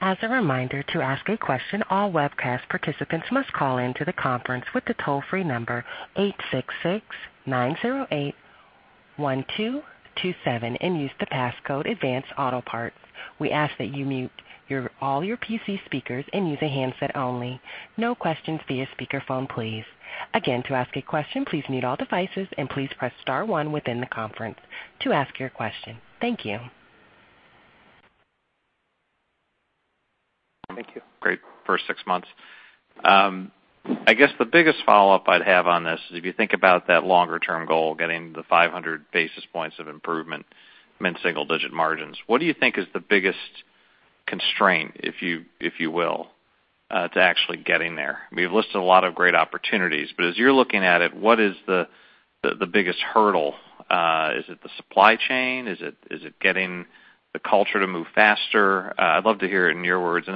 As a reminder, to ask a question, all webcast participants must call in to the conference with the toll-free number 866-908-1227 and use the passcode Advance Auto Parts. We ask that you mute all your PC speakers and use a handset only. No questions via speakerphone, please. Again, to ask a question, please mute all devices and please press *1 within the conference to ask your question. Thank you. Thank you. Great first six months. I guess the biggest follow-up I'd have on this is if you think about that longer-term goal, getting the 500 basis points of improvement, mid-single-digit margins, what do you think is the biggest constraint, if you will, to actually getting there? You've listed a lot of great opportunities, but as you're looking at it, what is the biggest hurdle? Is it the supply chain? Is it getting the culture to move faster? I'd love to hear it in your words.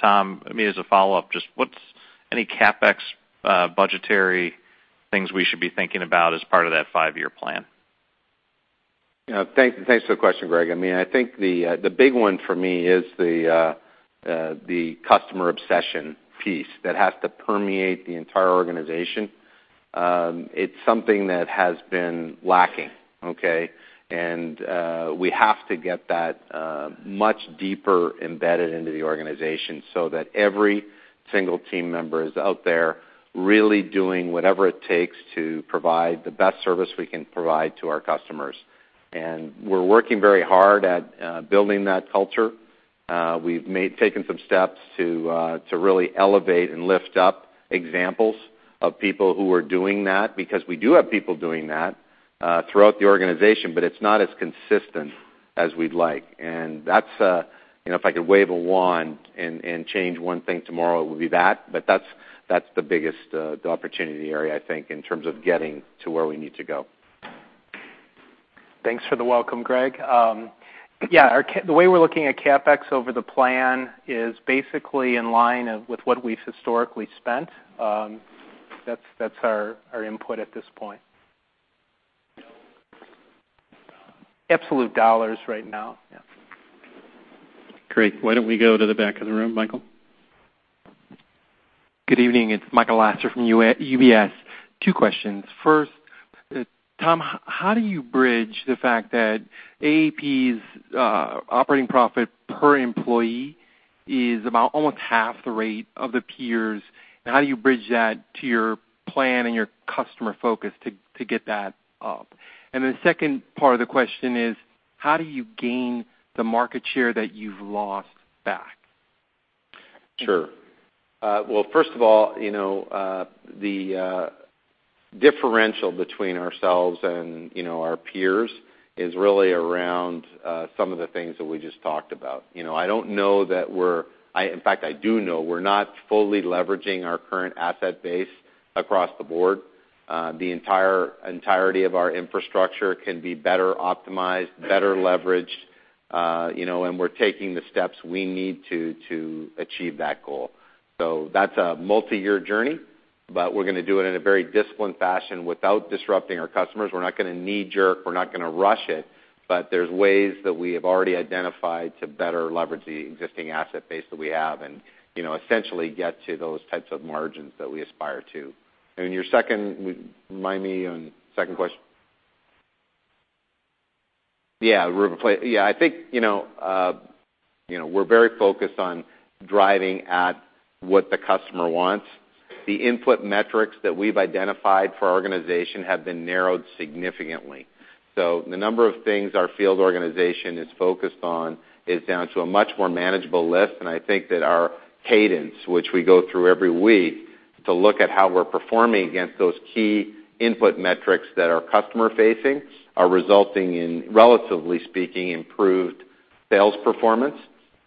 Tom, maybe as a follow-up, just what's any CapEx budgetary things we should be thinking about as part of that five-year plan? Thanks for the question, Greg. I think the big one for me is the customer obsession piece that has to permeate the entire organization. It's something that has been lacking, okay? We have to get that much deeper embedded into the organization so that every single team member is out there really doing whatever it takes to provide the best service we can provide to our customers. We're working very hard at building that culture. We've taken some steps to really elevate and lift up examples of people who are doing that, because we do have people doing that throughout the organization, but it's not as consistent as we'd like. If I could wave a wand and change one thing tomorrow, it would be that. That's the biggest opportunity area, I think, in terms of getting to where we need to go. Thanks for the welcome, Greg. Yeah, the way we're looking at CapEx over the plan is basically in line with what we've historically spent. That's our input at this point. Absolute dollars right now. Yeah. Great. Why don't we go to the back of the room? Michael? Good evening. It's Michael Lasser from UBS. 2 questions. First, Tom, how do you bridge the fact that AAP's operating profit per employee is about almost half the rate of the peers, and how do you bridge that to your plan and your customer focus to get that up? The second part of the question is, how do you gain the market share that you've lost back? Sure. Well, first of all, the differential between ourselves and our peers is really around some of the things that we just talked about. I don't know that we're in fact, I do know we're not fully leveraging our current asset base across the board. The entirety of our infrastructure can be better optimized, better leveraged, and we're taking the steps we need to achieve that goal. That's a multi-year journey, but we're going to do it in a very disciplined fashion without disrupting our customers. We're not going to knee-jerk. We're not going to rush it. There's ways that we have already identified to better leverage the existing asset base that we have and essentially get to those types of margins that we aspire to. Your second, remind me on the second question. Yeah, I think we're very focused on driving at what the customer wants. The input metrics that we've identified for our organization have been narrowed significantly. The number of things our field organization is focused on is down to a much more manageable list. I think that our cadence, which we go through every week to look at how we're performing against those key input metrics that are customer facing, are resulting in, relatively speaking, improved sales performance.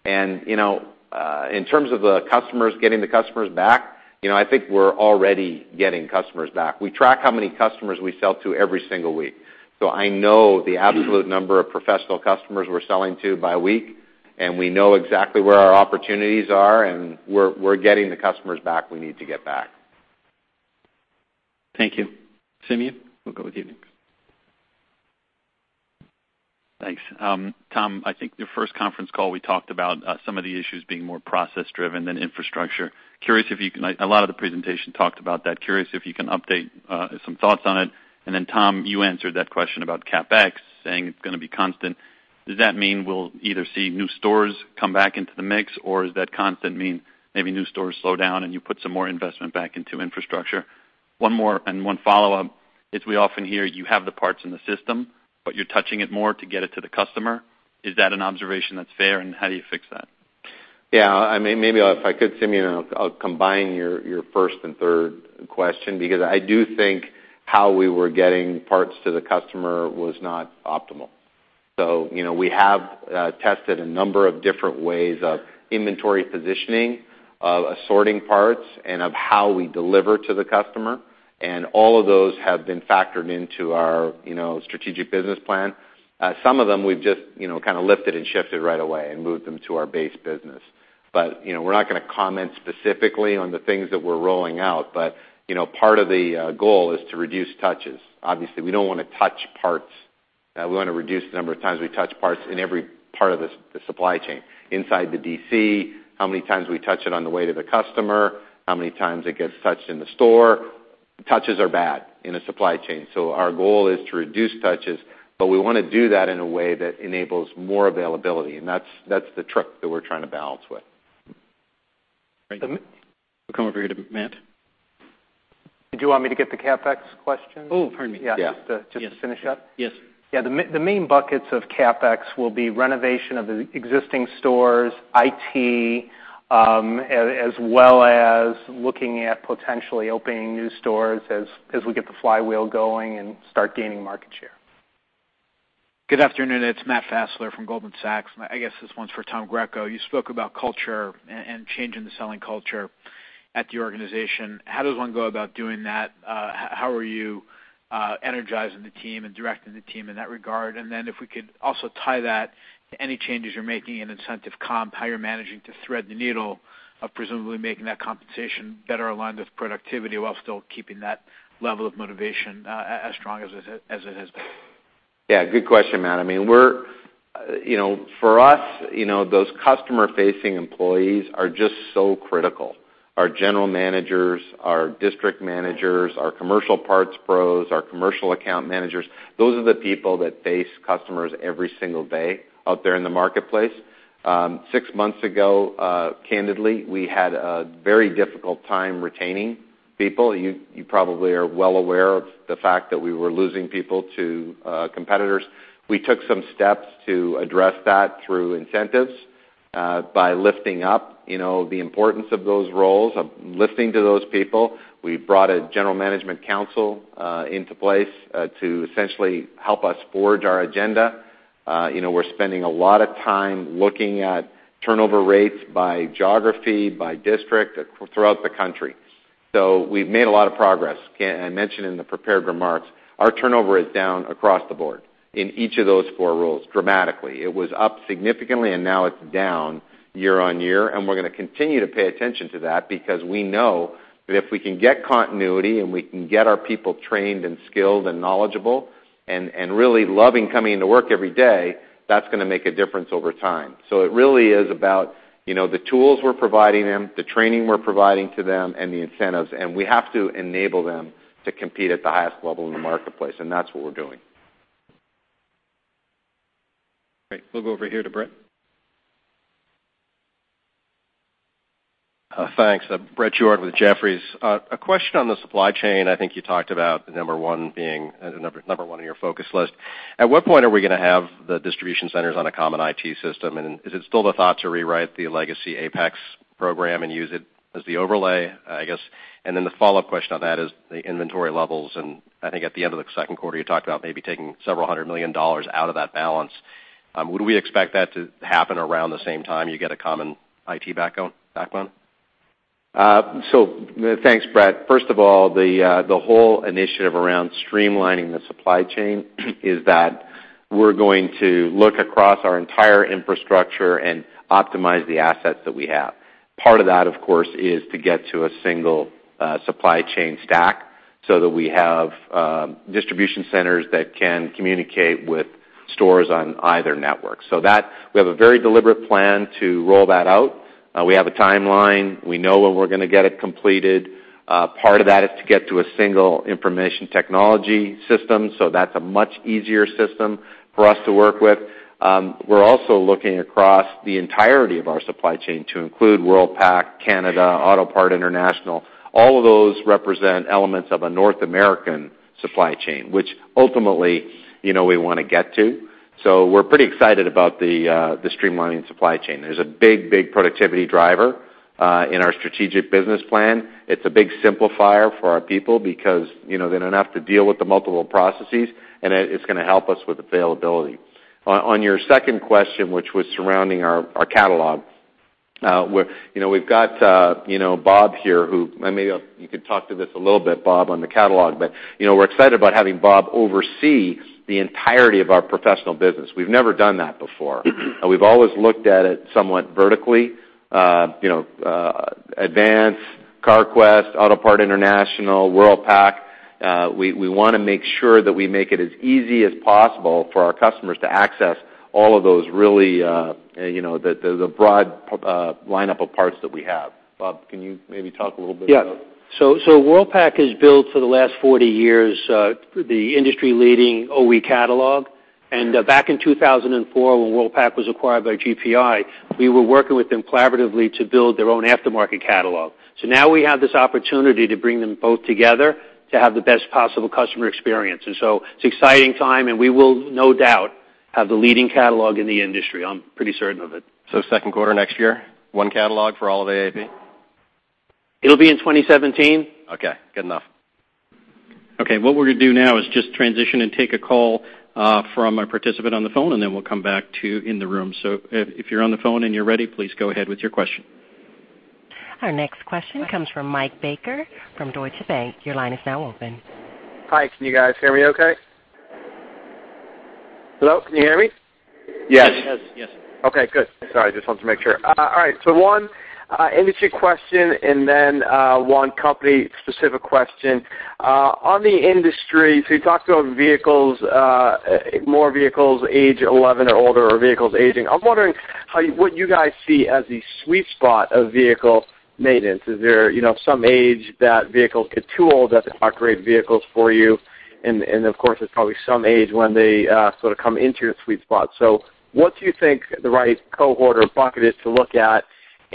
In terms of the customers getting the customers back, I think we're already getting customers back. We track how many customers we sell to every single week. I know the absolute number of professional customers we're selling to by week, and we know exactly where our opportunities are, and we're getting the customers back we need to get back. Thank you. Simeon, we'll go with you next. Thanks. Tom, I think your first conference call, we talked about some of the issues being more process-driven than infrastructure. A lot of the presentation talked about that. Curious if you can update some thoughts on it. Tom, you answered that question about CapEx, saying it's going to be constant. Does that mean we'll either see new stores come back into the mix, or does that constant mean maybe new stores slow down and you put some more investment back into infrastructure? One more, and one follow-up is we often hear you have the parts in the system, but you're touching it more to get it to the customer. Is that an observation that's fair, and how do you fix that? Yeah. Maybe if I could, Simeon, I'll combine your first and third question because I do think how we were getting parts to the customer was not optimal. We have tested a number of different ways of inventory positioning, of assorting parts, and of how we deliver to the customer, and all of those have been factored into our strategic business plan. Some of them we've just kind of lifted and shifted right away and moved them to our base business. We're not going to comment specifically on the things that we're rolling out. Part of the goal is to reduce touches. Obviously, we don't want to touch parts. We want to reduce the number of times we touch parts in every part of the supply chain. Inside the DC, how many times we touch it on the way to the customer, how many times it gets touched in the store. Touches are bad in a supply chain. Our goal is to reduce touches, but we want to do that in a way that enables more availability, and that's the trick that we're trying to balance with. Great. We'll come over here to Matt. Do you want me to get the CapEx question? Oh, pardon me. Yeah. Yeah. Just to finish up. Yes. Yeah. The main buckets of CapEx will be renovation of the existing stores, IT, as well as looking at potentially opening new stores as we get the flywheel going and start gaining market share. Good afternoon. It's Matt Fassler from Goldman Sachs. I guess this one's for Tom Greco. You spoke about culture and changing the selling culture at the organization. How does one go about doing that? How are you energizing the team and directing the team in that regard? If we could also tie that to any changes you're making in incentive comp, how you're managing to thread the needle of presumably making that compensation better aligned with productivity while still keeping that level of motivation as strong as it has been. Yeah, good question, Matt. For us, those customer-facing employees are just so critical. Our general managers, our district managers, our commercial parts pros, our commercial account managers, those are the people that face customers every single day out there in the marketplace. Six months ago, candidly, we had a very difficult time retaining people. You probably are well aware of the fact that we were losing people to competitors. We took some steps to address that through incentives by lifting up the importance of those roles, of listening to those people. We've brought a general management council into place to essentially help us forge our agenda. We're spending a lot of time looking at turnover rates by geography, by district throughout the country. We've made a lot of progress. I mentioned in the prepared remarks, our turnover is down across the board in each of those four roles dramatically. It was up significantly. Now it's down year-over-year. We're going to continue to pay attention to that because we know that if we can get continuity and we can get our people trained and skilled and knowledgeable and really loving coming into work every day, that's going to make a difference over time. It really is about the tools we're providing them, the training we're providing to them, and the incentives. We have to enable them to compete at the highest level in the marketplace, and that's what we're doing. Great. We'll go over here to Bret. Thanks. Bret Jordan with Jefferies. A question on the supply chain. I think you talked about number 1 in your focus list. At what point are we going to have the distribution centers on a common IT system? Is it still the thought to rewrite the legacy APEX program and use it as the overlay? I guess. Then the follow-up question on that is the inventory levels, and I think at the end of the second quarter, you talked about maybe taking $several hundred million out of that balance. Would we expect that to happen around the same time you get a common IT backbone? Thanks, Bret. First of all, the whole initiative around streamlining the supply chain is that we're going to look across our entire infrastructure and optimize the assets that we have. Part of that, of course, is to get to a single supply chain stack so that we have distribution centers that can communicate with stores on either network. We have a very deliberate plan to roll that out. We have a timeline. We know when we're going to get it completed. Part of that is to get to a single information technology system. That's a much easier system for us to work with. We're also looking across the entirety of our supply chain to include Worldpac, Canada, Autopart International. All of those represent elements of a North American supply chain, which ultimately we want to get to. We're pretty excited about the streamlining supply chain. There's a big productivity driver in our strategic business plan. It's a big simplifier for our people because they don't have to deal with the multiple processes, and it's going to help us with availability. On your second question, which was surrounding our catalog. We've got Bob here who, maybe you could talk to this a little bit, Bob, on the catalog, but we're excited about having Bob oversee the entirety of our professional business. We've never done that before. We've always looked at it somewhat vertically. Advance, Carquest, Autopart International, Worldpac. We want to make sure that we make it as easy as possible for our customers to access all of those really, the broad lineup of parts that we have. Bob, can you maybe talk a little bit about it? Yeah. Worldpac has built for the last 40 years, the industry-leading OE catalog, and back in 2004, when Worldpac was acquired by GPI, we were working with them collaboratively to build their own aftermarket catalog. Now we have this opportunity to bring them both together to have the best possible customer experience. It's an exciting time, and we will no doubt have the leading catalog in the industry. I'm pretty certain of it. Second quarter next year, one catalog for all of AAP? It'll be in 2017. Okay, good enough. Okay. What we're going to do now is just transition and take a call from a participant on the phone, and then we'll come back to in the room. If you're on the phone and you're ready, please go ahead with your question. Our next question comes from Mike Baker from Deutsche Bank. Your line is now open. Hi. Can you guys hear me okay? Hello? Can you hear me? Yes. Yes. Okay, good. Sorry, just wanted to make sure. All right, one industry question and then one company-specific question. On the industry, you talked about more vehicles age 11 or older or vehicles aging. I'm wondering what you guys see as the sweet spot of vehicle maintenance. Is there some age that vehicles get too old that they're not great vehicles for you? And of course, there's probably some age when they sort of come into your sweet spot. What do you think the right cohort or bucket is to look at,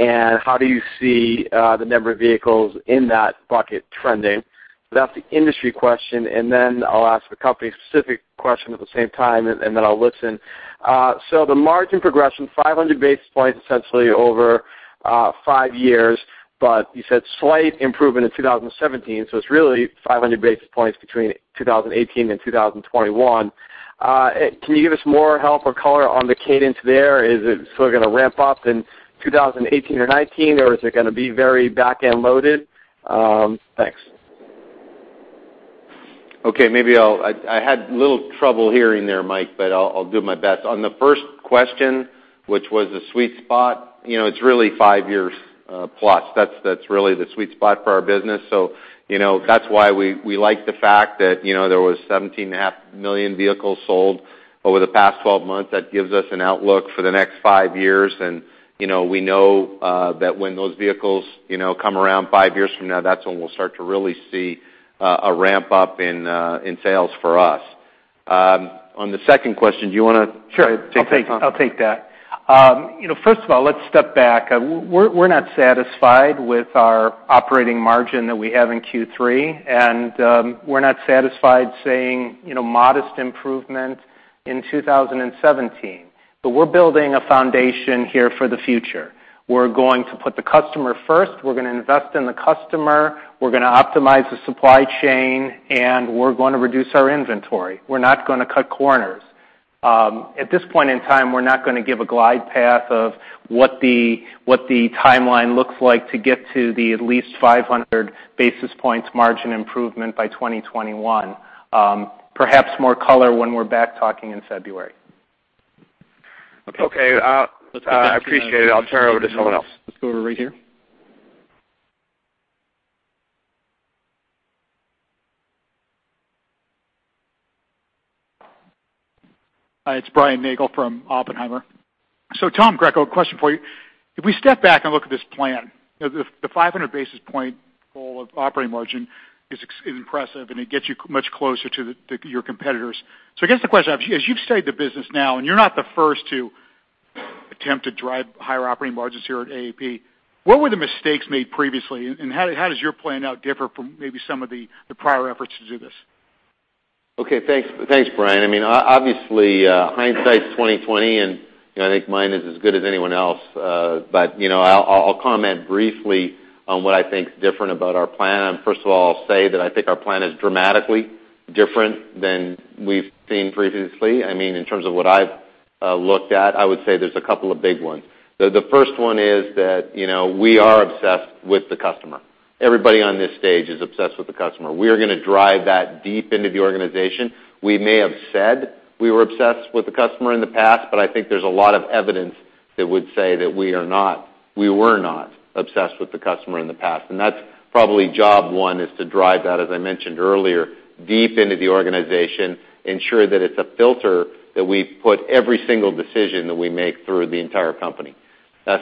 and how do you see the number of vehicles in that bucket trending? That's the industry question, and then I'll ask a company-specific question at the same time, and then I'll listen. The margin progression, 500 basis points essentially over five years, you said slight improvement in 2017, it's really 500 basis points between 2018 and 2021. Can you give us more help or color on the cadence there? Is it still going to ramp up in 2018 or 2019, or is it going to be very back-end loaded? Thanks. Okay. I had a little trouble hearing there, Mike, I'll do my best. On the first question, which was the sweet spot, it's really five years plus. That's really the sweet spot for our business. That's why we like the fact that there was 17.5 million vehicles sold over the past 12 months. That gives us an outlook for the next five years, and we know that when those vehicles come around five years from now, that's when we'll start to really see a ramp-up in sales for us. On the second question, do you want to take that, Tom? Sure. I'll take that. First of all, let's step back. We're not satisfied with our operating margin that we have in Q3, we're not satisfied saying modest improvement in 2017. We're building a foundation here for the future. We're going to put the customer first, we're going to invest in the customer, we're going to optimize the supply chain, we're going to reduce our inventory. We're not going to cut corners. At this point in time, we're not going to give a glide path of what the timeline looks like to get to the at least 500 basis points margin improvement by 2021. Perhaps more color when we're back talking in February. Okay. I appreciate it. I'll turn it over to someone else. Let's go over right here. Hi, it's Brian Nagel from Oppenheimer. Tom Greco, question for you. If we step back and look at this plan, the 500 basis point goal of operating margin is impressive, and it gets you much closer to your competitors. I guess the question I have, as you've stated the business now, and you're not the first to attempt to drive higher operating margins here at AAP, what were the mistakes made previously? How does your plan now differ from maybe some of the prior efforts to do this? Okay. Thanks, Brian. Obviously, hindsight is 2020, and I think mine is as good as anyone else. I'll comment briefly on what I think is different about our plan. First of all, I'll say that I think our plan is dramatically different than we've seen previously. In terms of what I've looked at, I would say there's a couple of big ones. The first one is that we are obsessed with the customer. Everybody on this stage is obsessed with the customer. We are going to drive that deep into the organization. We may have said we were obsessed with the customer in the past, but I think there's a lot of evidence that would say that we were not obsessed with the customer in the past. That's probably job one is to drive that, as I mentioned earlier, deep into the organization, ensure that it's a filter that we put every single decision that we make through the entire company.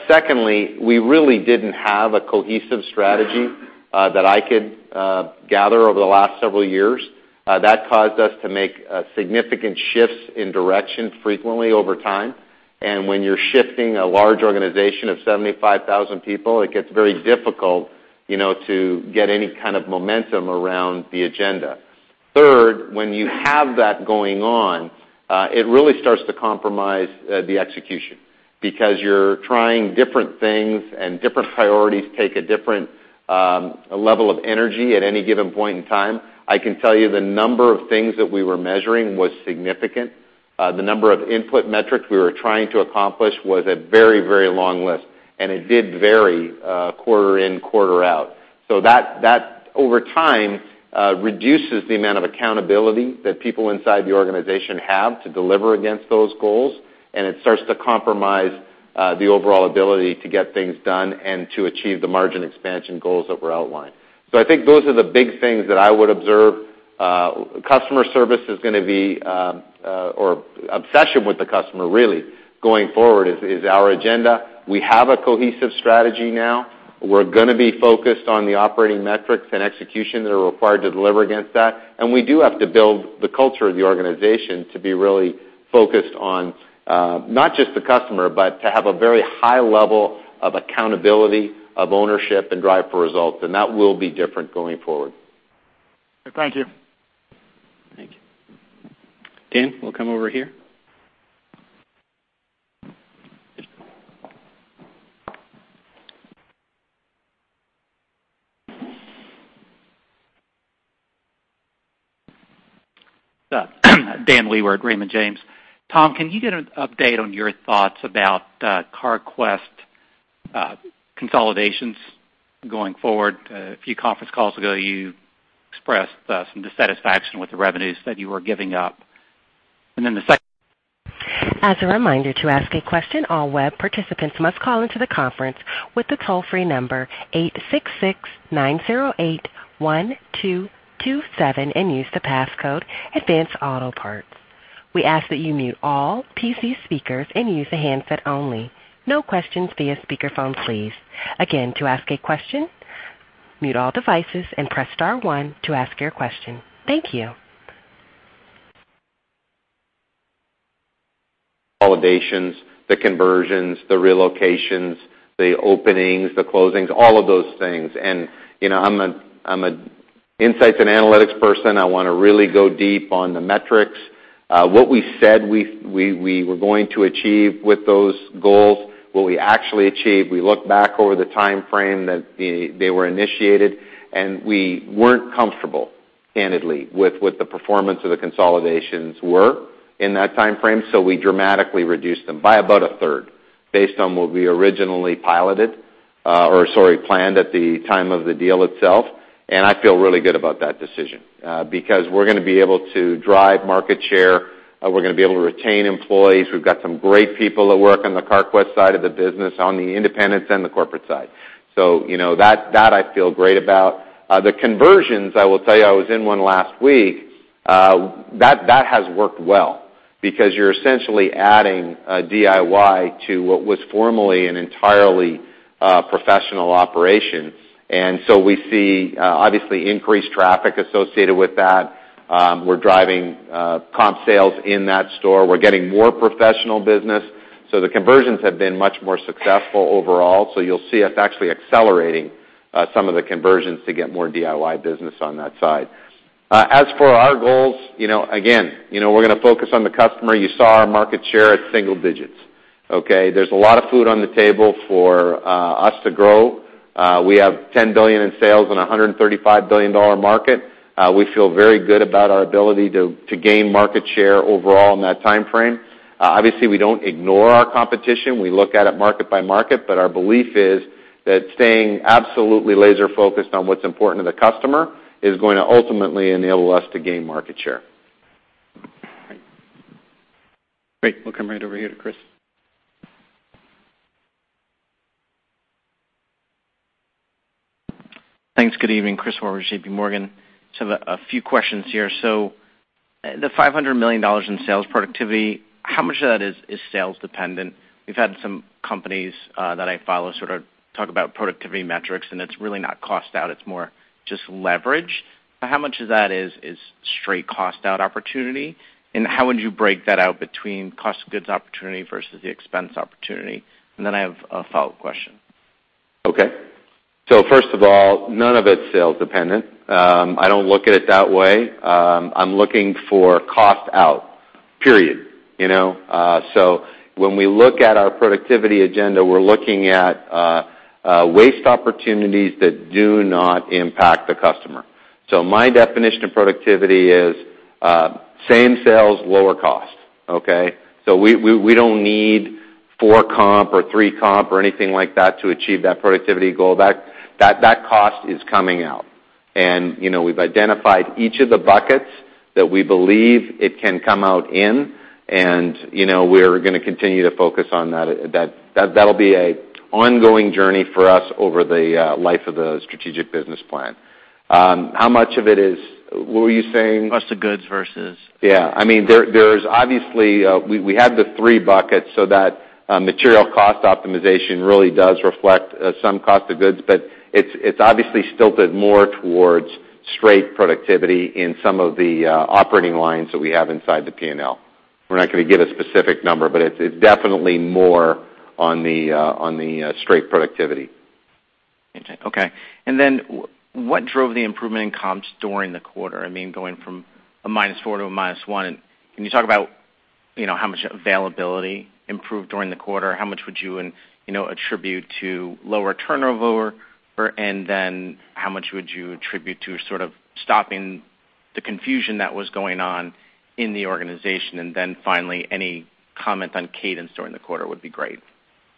Secondly, we really didn't have a cohesive strategy that I could gather over the last several years. That caused us to make significant shifts in direction frequently over time. When you're shifting a large organization of 75,000 people, it gets very difficult to get any kind of momentum around the agenda. Third, when you have that going on, it really starts to compromise the execution because you're trying different things and different priorities take a different level of energy at any given point in time. I can tell you the number of things that we were measuring was significant. The number of input metrics we were trying to accomplish was a very long list, and it did vary quarter in, quarter out. That, over time, reduces the amount of accountability that people inside the organization have to deliver against those goals. It starts to compromise the overall ability to get things done and to achieve the margin expansion goals that were outlined. I think those are the big things that I would observe. Customer service is going to be, or obsession with the customer really going forward is our agenda. We have a cohesive strategy now. We're going to be focused on the operating metrics and execution that are required to deliver against that. We do have to build the culture of the organization to be really focused on not just the customer, but to have a very high level of accountability of ownership and drive for results, and that will be different going forward. Thank you. Thank you. Dan, we'll come over here. Dan Wewer, Raymond James. Tom, can you give an update on your thoughts about Carquest consolidations going forward? A few conference calls ago, you expressed some dissatisfaction with the revenues that you were giving up. As a reminder, to ask a question, all web participants must call into the conference with the toll-free number 866-908-1227 and use the passcode Advance Auto Parts. We ask that you mute all PC speakers and use a handset only. No questions via speakerphone, please. Again, to ask a question, mute all devices and press star one to ask your question. Thank you. Consolidations, the conversions, the relocations, the openings, the closings, all of those things. I'm an insights and analytics person. I want to really go deep on the metrics. What we said we were going to achieve with those goals, what we actually achieved. We looked back over the time frame that they were initiated, we weren't comfortable, candidly, with what the performance of the consolidations were in that time frame. We dramatically reduced them by about a third based on what we originally planned at the time of the deal itself. I feel really good about that decision because we're going to be able to drive market share. We're going to be able to retain employees. We've got some great people that work on the Carquest side of the business, on the independents and the corporate side. That I feel great about. The conversions, I will tell you, I was in one last week. That has worked well because you're essentially adding DIY to what was formerly an entirely professional operation. We see obviously increased traffic associated with that. We're driving comp sales in that store. We're getting more professional business. The conversions have been much more successful overall. You'll see us actually accelerating some of the conversions to get more DIY business on that side. As for our goals, again, we're going to focus on the customer. You saw our market share at single digits. Okay? There's a lot of food on the table for us to grow. We have $10 billion in sales in a $135 billion market. We feel very good about our ability to gain market share overall in that timeframe. Obviously, we don't ignore our competition. We look at it market by market. Our belief is that staying absolutely laser-focused on what's important to the customer is going to ultimately enable us to gain market share. Great. We'll come right over here to Chris. Thanks. Good evening. Chris, J.P. Morgan. Just have a few questions here. The $500 million in sales productivity, how much of that is sales dependent? We've had some companies that I follow sort of talk about productivity metrics, and it's really not cost out, it's more just leverage. How much of that is straight cost out opportunity? How would you break that out between cost of goods opportunity versus the expense opportunity? I have a follow-up question. Okay. First of all, none of it's sales dependent. I don't look at it that way. I'm looking for cost out, period. When we look at our productivity agenda, we're looking at waste opportunities that do not impact the customer. My definition of productivity is same sales, lower cost. Okay? We don't need four comp or three comp or anything like that to achieve that productivity goal. That cost is coming out. We've identified each of the buckets that we believe it can come out in, and we're going to continue to focus on that. That'll be an ongoing journey for us over the life of the strategic business plan. How much of it, what were you saying? Cost of goods versus- Yeah. There's obviously, we have the three buckets, that material cost optimization really does reflect some cost of goods, but it's obviously stilted more towards straight productivity in some of the operating lines that we have inside the P&L. We're not going to give a specific number, but it's definitely more on the straight productivity. Okay. What drove the improvement in comps during the quarter? Going from a minus four to a minus one. Can you talk about how much availability improved during the quarter? How much would you attribute to lower turnover? How much would you attribute to sort of stopping the confusion that was going on in the organization? Finally, any comment on cadence during the quarter would be great.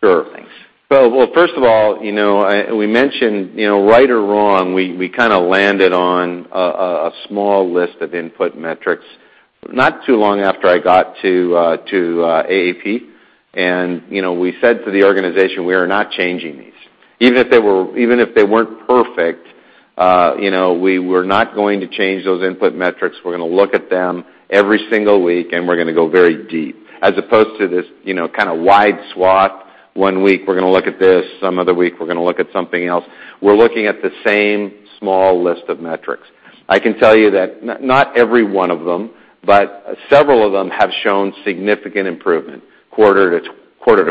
Sure. Thanks. First of all, we mentioned, right or wrong, we kind of landed on a small list of input metrics not too long after I got to AAP. We said to the organization, we are not changing these. Even if they weren't perfect, we were not going to change those input metrics. We're going to look at them every single week, and we're going to go very deep, as opposed to this kind of wide swath. One week we're going to look at this, some other week we're going to look at something else. We're looking at the same small list of metrics. I can tell you that not every one of them, but several of them have shown significant improvement quarter-to-quarter.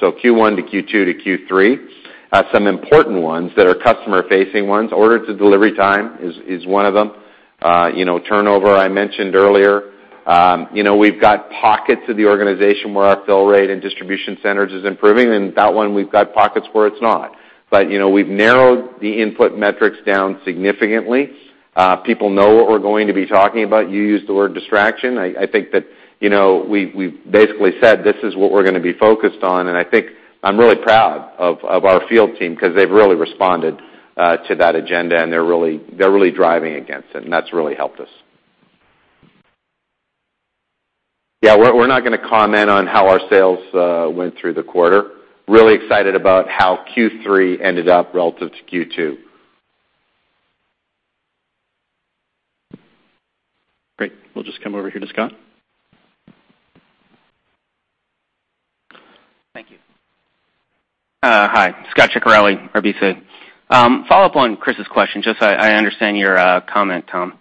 Q1 to Q2 to Q3. Some important ones that are customer-facing ones, order to delivery time is one of them. Turnover, I mentioned earlier. We've got pockets of the organization where our fill rate in distribution centers is improving. That one, we've got pockets where it's not. We've narrowed the input metrics down significantly. People know what we're going to be talking about. You used the word distraction. I think that we've basically said this is what we're going to be focused on. I think I'm really proud of our field team because they've really responded to that agenda. They're really driving against it. That's really helped us. We're not going to comment on how our sales went through the quarter. Really excited about how Q3 ended up relative to Q2. Great. We'll just come over here to Scot. Thank you. Hi, Scot, RBC. Follow-up on Chris's question, just so I understand your comment, Tom.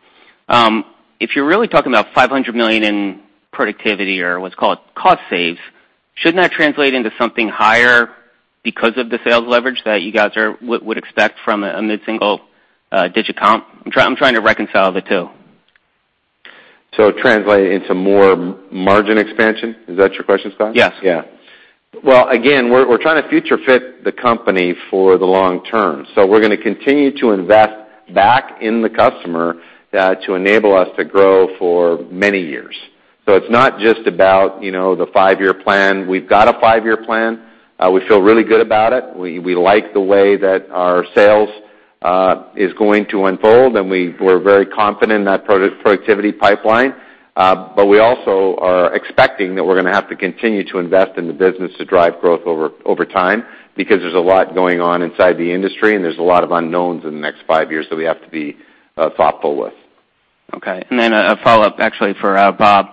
If you're really talking about $500 million in productivity or what's called cost saves, shouldn't that translate into something higher because of the sales leverage that you guys would expect from a mid-single digit comp? I'm trying to reconcile the two. Translate into more margin expansion? Is that your question, Scot? Yes. Well, again, we're trying to future fit the company for the long term. We're going to continue to invest back in the customer to enable us to grow for many years. It's not just about the five-year plan. We've got a five-year plan. We feel really good about it. We like the way that our sales is going to unfold, and we're very confident in that productivity pipeline. We also are expecting that we're going to have to continue to invest in the business to drive growth over time, because there's a lot going on inside the industry, and there's a lot of unknowns in the next five years that we have to be thoughtful with. Okay. A follow-up actually for Bob.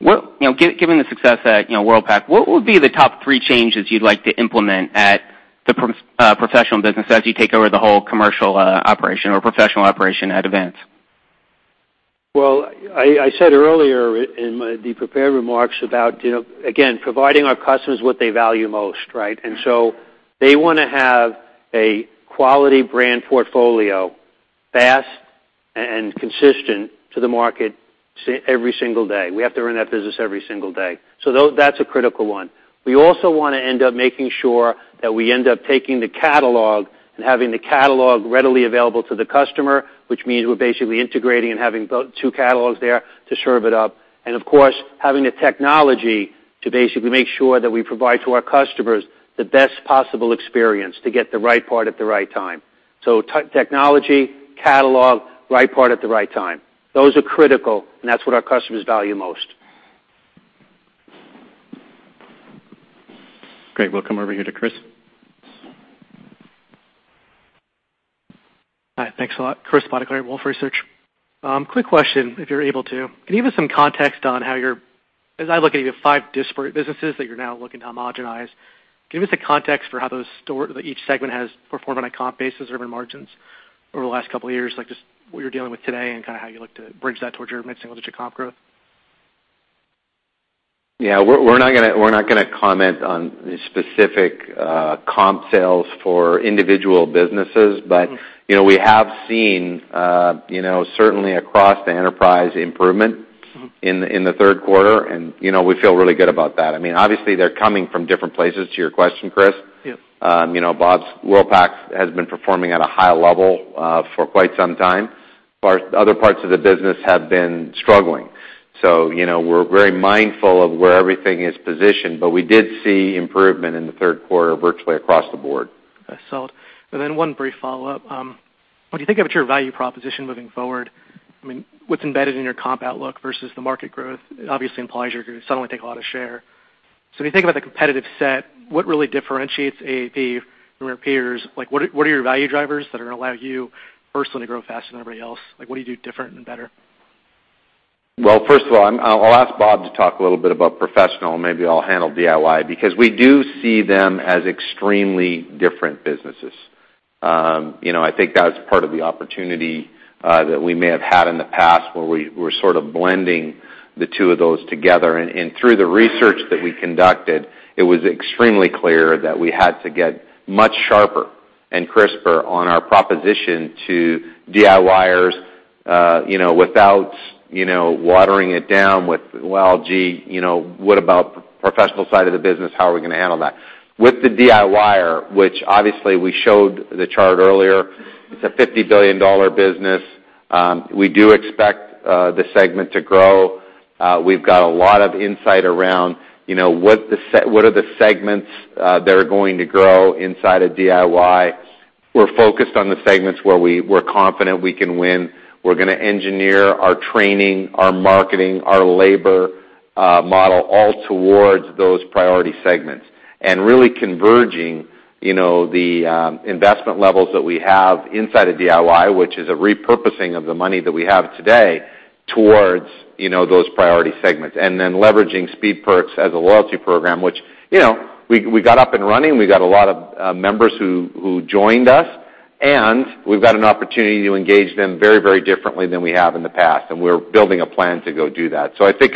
Given the success at Worldpac, what would be the top three changes you'd like to implement at the professional business as you take over the whole commercial operation or professional operation at Advance? Well, I said earlier in the prepared remarks about, again, providing our customers what they value most, right? They want to have a quality brand portfolio, fast. Consistent to the market every single day. We have to run that business every single day. That's a critical one. We also want to end up making sure that we end up taking the catalog and having the catalog readily available to the customer, which means we're basically integrating and having two catalogs there to serve it up. Of course, having the technology to basically make sure that we provide to our customers the best possible experience to get the right part at the right time. Technology, catalog, right part at the right time. Those are critical, and that's what our customers value most. Great. We'll come over here to Chris. Hi. Thanks a lot. Chris Spota with Wolfe Research. Quick question, if you're able to. Can you give us some context on how your-- as I look at your five disparate businesses that you're now looking to homogenize, give me some context for how each segment has performed on a comp basis or even margins over the last couple of years, like just what you're dealing with today and kind of how you look to bridge that towards your mid-single-digit comp growth. Yeah. We're not going to comment on the specific comp sales for individual businesses. We have seen, certainly across the enterprise improvement in the third quarter, we feel really good about that. Obviously, they're coming from different places to your question, Chris. Yeah. Bob's Worldpac has been performing at a high level for quite some time. Other parts of the business have been struggling. We're very mindful of where everything is positioned, but we did see improvement in the third quarter virtually across the board. Okay. Solid. One brief follow-up. When you think about your value proposition moving forward, what's embedded in your comp outlook versus the market growth obviously implies you're going to suddenly take a lot of share. When you think about the competitive set, what really differentiates AAP from your peers? What are your value drivers that are going to allow you firstly to grow faster than everybody else? What do you do different and better? Well, first of all, I'll ask Bob to talk a little bit about professional, and maybe I'll handle DIY because we do see them as extremely different businesses. I think that's part of the opportunity that we may have had in the past where we were sort of blending the two of those together. Through the research that we conducted, it was extremely clear that we had to get much sharper and crisper on our proposition to DIYers without watering it down with, "Well, gee, what about professional side of the business? How are we going to handle that?" With the DIYer, which obviously we showed the chart earlier, it's a $50 billion business. We do expect the segment to grow. We've got a lot of insight around what are the segments that are going to grow inside of DIY. We're focused on the segments where we're confident we can win. We're going to engineer our training, our marketing, our labor model all towards those priority segments. Really converging the investment levels that we have inside of DIY, which is a repurposing of the money that we have today towards those priority segments. Leveraging Speed Perks as a loyalty program, which we got up and running. We got a lot of members who joined us, and we've got an opportunity to engage them very differently than we have in the past, and we're building a plan to go do that. I think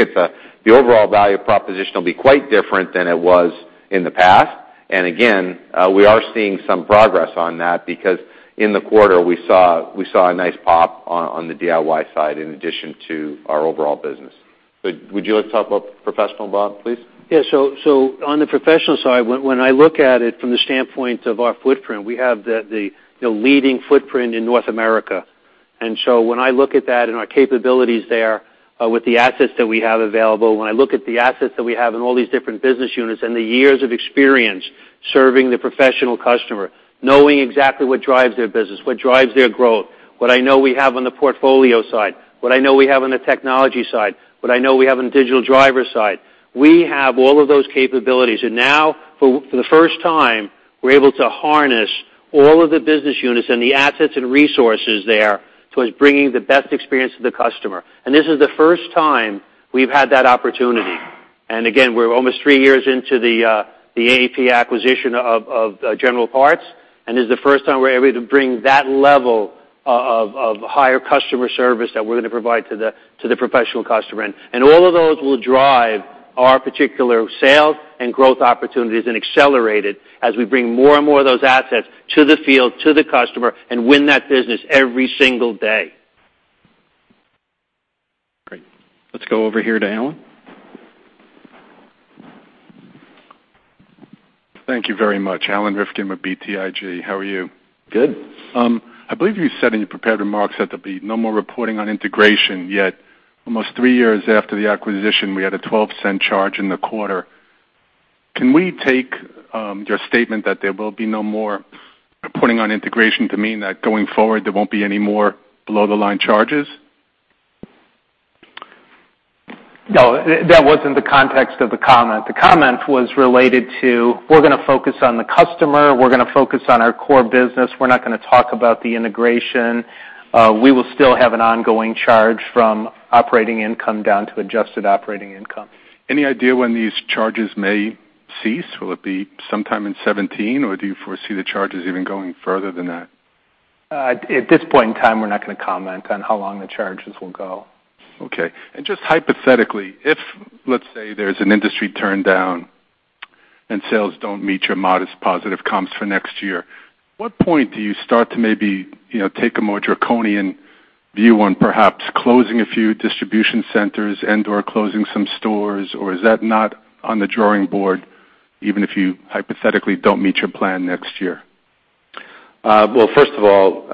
the overall value proposition will be quite different than it was in the past. Again, we are seeing some progress on that because in the quarter we saw a nice pop on the DIY side in addition to our overall business. Would you like to talk about Professional, Bob, please? Yeah. On the Professional side, when I look at it from the standpoint of our footprint, we have the leading footprint in North America. When I look at that and our capabilities there with the assets that we have available, when I look at the assets that we have in all these different business units and the years of experience serving the Professional customer, knowing exactly what drives their business, what drives their growth, what I know we have on the portfolio side, what I know we have on the technology side, what I know we have on digital driver side. We have all of those capabilities. Now for the first time, we're able to harness all of the business units and the assets and resources there towards bringing the best experience to the customer. This is the first time we've had that opportunity. Again, we're almost three years into the AAP acquisition of General Parts, this is the first time we're able to bring that level of higher customer service that we're going to provide to the Professional customer. All of those will drive our particular sales and growth opportunities and accelerate it as we bring more and more of those assets to the field, to the customer, and win that business every single day. Great. Let's go over here to Alan. Thank you very much, Alan Rifkin with BTIG. How are you? Good. I believe you said in your prepared remarks that there'll be no more reporting on integration, yet almost three years after the acquisition, we had a $0.12 charge in the quarter. Can we take your statement that there will be no more reporting on integration to mean that going forward, there won't be any more below-the-line charges? No, that wasn't the context of the comment. The comment was related to we're going to focus on the customer. We're going to focus on our core business. We're not going to talk about the integration. We will still have an ongoing charge from operating income down to adjusted operating income. Any idea when these charges may cease? Will it be sometime in 2017, or do you foresee the charges even going further than that? At this point in time, we're not going to comment on how long the charges will go. Okay. Just hypothetically, if let's say there's an industry turndown, sales don't meet your modest positive comps for next year, what point do you start to maybe take a more draconian view on perhaps closing a few distribution centers and/or closing some stores? Is that not on the drawing board, even if you hypothetically don't meet your plan next year? Well, first of all,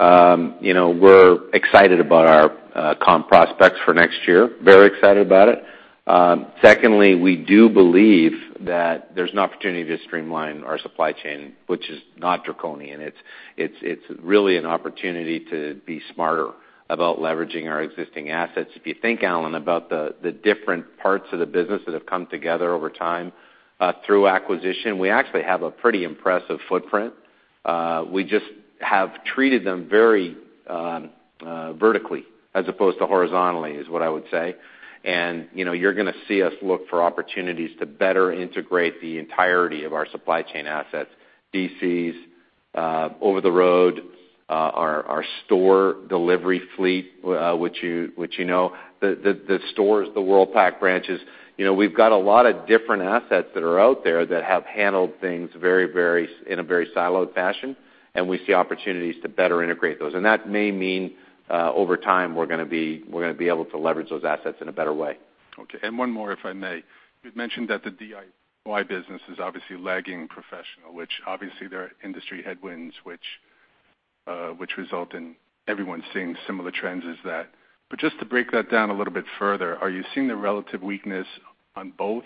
we're excited about our comp prospects for next year. Very excited about it. Secondly, we do believe that there's an opportunity to streamline our supply chain, which is not draconian. It's really an opportunity to be smarter about leveraging our existing assets. If you think, Alan, about the different parts of the business that have come together over time through acquisition, we actually have a pretty impressive footprint. We just have treated them very vertically as opposed to horizontally, is what I would say. You're going to see us look for opportunities to better integrate the entirety of our supply chain assets, DCs, over the road, our store delivery fleet, which you know, the stores, the Worldpac branches. We've got a lot of different assets that are out there that have handled things in a very siloed fashion, and we see opportunities to better integrate those. That may mean, over time, we're going to be able to leverage those assets in a better way. One more, if I may. You'd mentioned that the DIY business is obviously lagging professional, which obviously there are industry headwinds which result in everyone seeing similar trends as that. Just to break that down a little bit further, are you seeing the relative weakness on both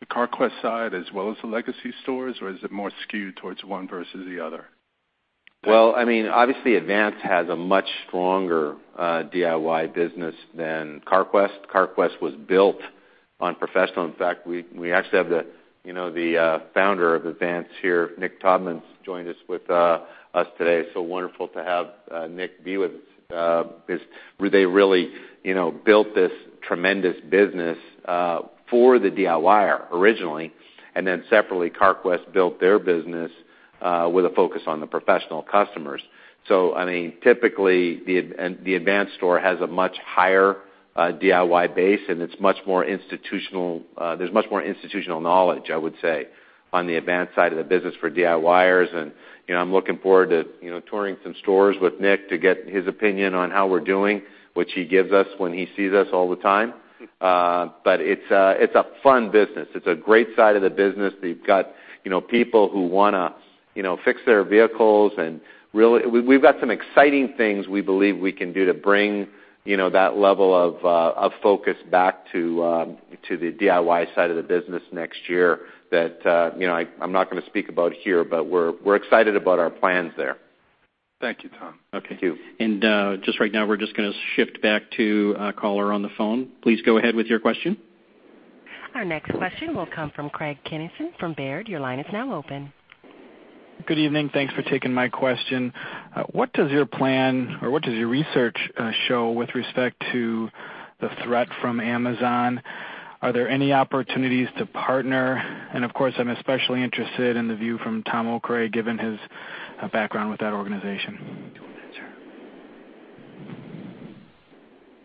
the Carquest side as well as the legacy stores, or is it more skewed towards one versus the other? Obviously, Advance has a much stronger DIY business than Carquest. Carquest was built on professional. In fact, we actually have the founder of Advance here, Nick Taubman's joined us with us today. Wonderful to have Nick be with us. They really built this tremendous business for the DIYer originally. Separately, Carquest built their business with a focus on the professional customers. Typically, the Advance store has a much higher DIY base. There's much more institutional knowledge, I would say, on the Advance side of the business for DIYers. I'm looking forward to touring some stores with Nick to get his opinion on how we're doing, which he gives us when he sees us all the time. It's a fun business. It's a great side of the business. They've got people who want to fix their vehicles. We've got some exciting things we believe we can do to bring that level of focus back to the DIY side of the business next year that I'm not going to speak about here. We're excited about our plans there. Thank you, Tom. Okay. Thank you. Just right now, we're just going to shift back to a caller on the phone. Please go ahead with your question. Our next question will come from Craig Kennison from Baird. Your line is now open. Good evening. Thanks for taking my question. What does your plan or what does your research show with respect to the threat from Amazon? Are there any opportunities to partner? Of course, I'm especially interested in the view from Tom Okray, given his background with that organization.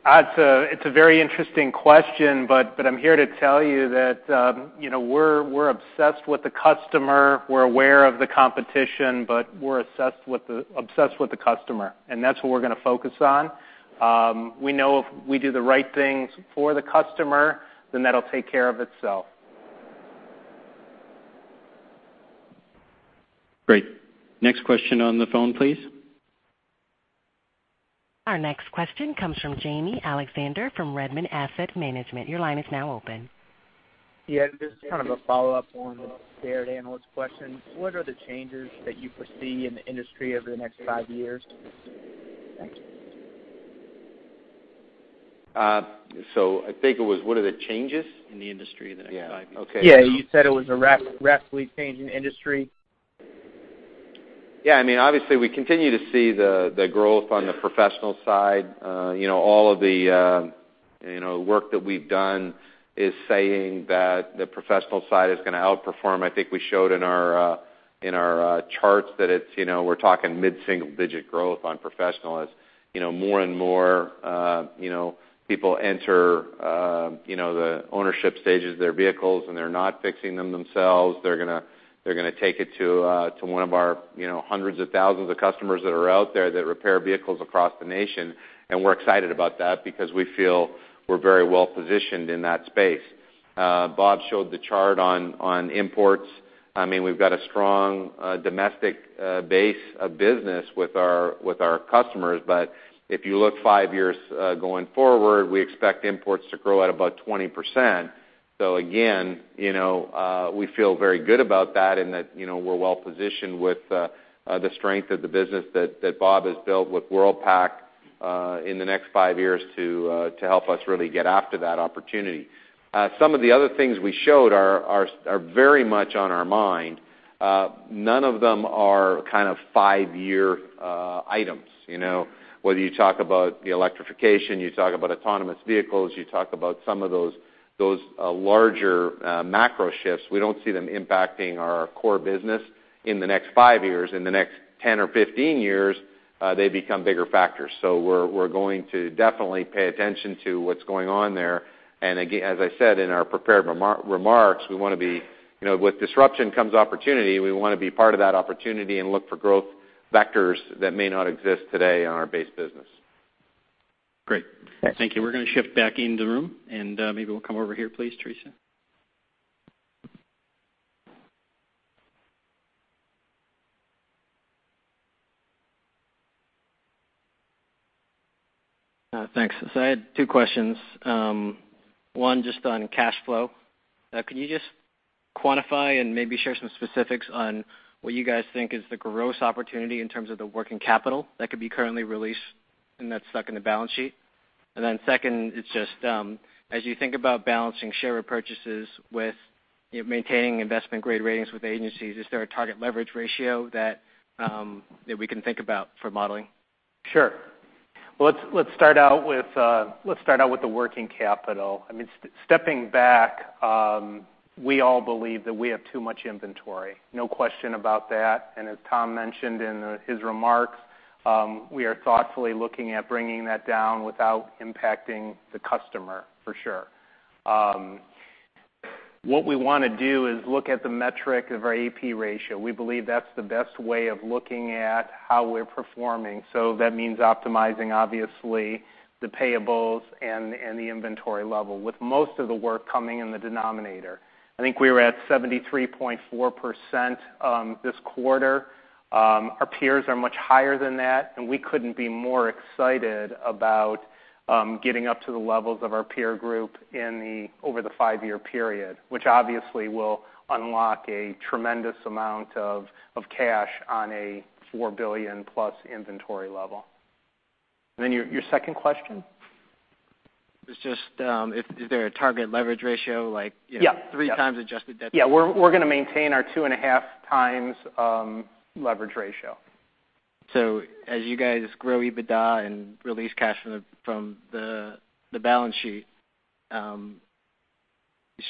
It's a very interesting question. I'm here to tell you that we're obsessed with the customer. We're aware of the competition, but we're obsessed with the customer. That's what we're going to focus on. We know if we do the right things for the customer, that'll take care of itself. Great. Next question on the phone, please. Our next question comes from Jamie Alexander from Redmond Asset Management. Your line is now open. Yeah, just kind of a follow-up on the Baird analyst question. What are the changes that you foresee in the industry over the next five years? Thanks. I think it was, what are the changes? In the industry in the next five years. Yeah. Okay. Yeah, you said it was a rapidly changing industry. Obviously, we continue to see the growth on the professional side. All of the work that we've done is saying that the professional side is going to outperform. I think we showed in our charts that we're talking mid-single-digit growth on professional as more and more people enter the ownership stages of their vehicles, and they're not fixing them themselves. They're going to take it to one of our hundreds of thousands of customers that are out there that repair vehicles across the nation, and we're excited about that because we feel we're very well-positioned in that space. Bob showed the chart on imports. We've got a strong domestic base of business with our customers. If you look 5 years going forward, we expect imports to grow at about 20%. Again, we feel very good about that and that we're well-positioned with the strength of the business that Bob has built with Worldpac in the next 5 years to help us really get after that opportunity. Some of the other things we showed are very much on our mind. None of them are kind of 5-year items. Whether you talk about the electrification, you talk about autonomous vehicles, you talk about some of those larger macro shifts, we don't see them impacting our core business in the next 5 years. In the next 10 or 15 years, they become bigger factors. We're going to definitely pay attention to what's going on there. As I said in our prepared remarks, with disruption comes opportunity. We want to be part of that opportunity and look for growth vectors that may not exist today on our base business. Great. Thanks. Thank you. We're going to shift back into the room, maybe we'll come over here please, Theresa. Thanks. I had two questions. One just on cash flow. Can you just quantify and maybe share some specifics on what you guys think is the gross opportunity in terms of the working capital that could be currently released and that's stuck in the balance sheet? Then second, as you think about balancing share repurchases with maintaining investment-grade ratings with agencies, is there a target leverage ratio that we can think about for modeling? Sure. Well, let's start out with the working capital. Stepping back, we all believe that we have too much inventory. No question about that. As Tom mentioned in his remarks, we are thoughtfully looking at bringing that down without impacting the customer, for sure. What we want to do is look at the metric of our AP ratio. We believe that's the best way of looking at how we're performing. That means optimizing, obviously, the payables and the inventory level with most of the work coming in the denominator. I think we were at 73.4% this quarter. Our peers are much higher than that, and we couldn't be more excited about getting up to the levels of our peer group over the five-year period, which obviously will unlock a tremendous amount of cash on a $4 billion-plus inventory level. Then your second question? It's just, is there a target leverage ratio? Yeah three times adjusted debt? Yeah. We're going to maintain our two and a half times leverage ratio. As you guys grow EBITDA and release cash from the balance sheet,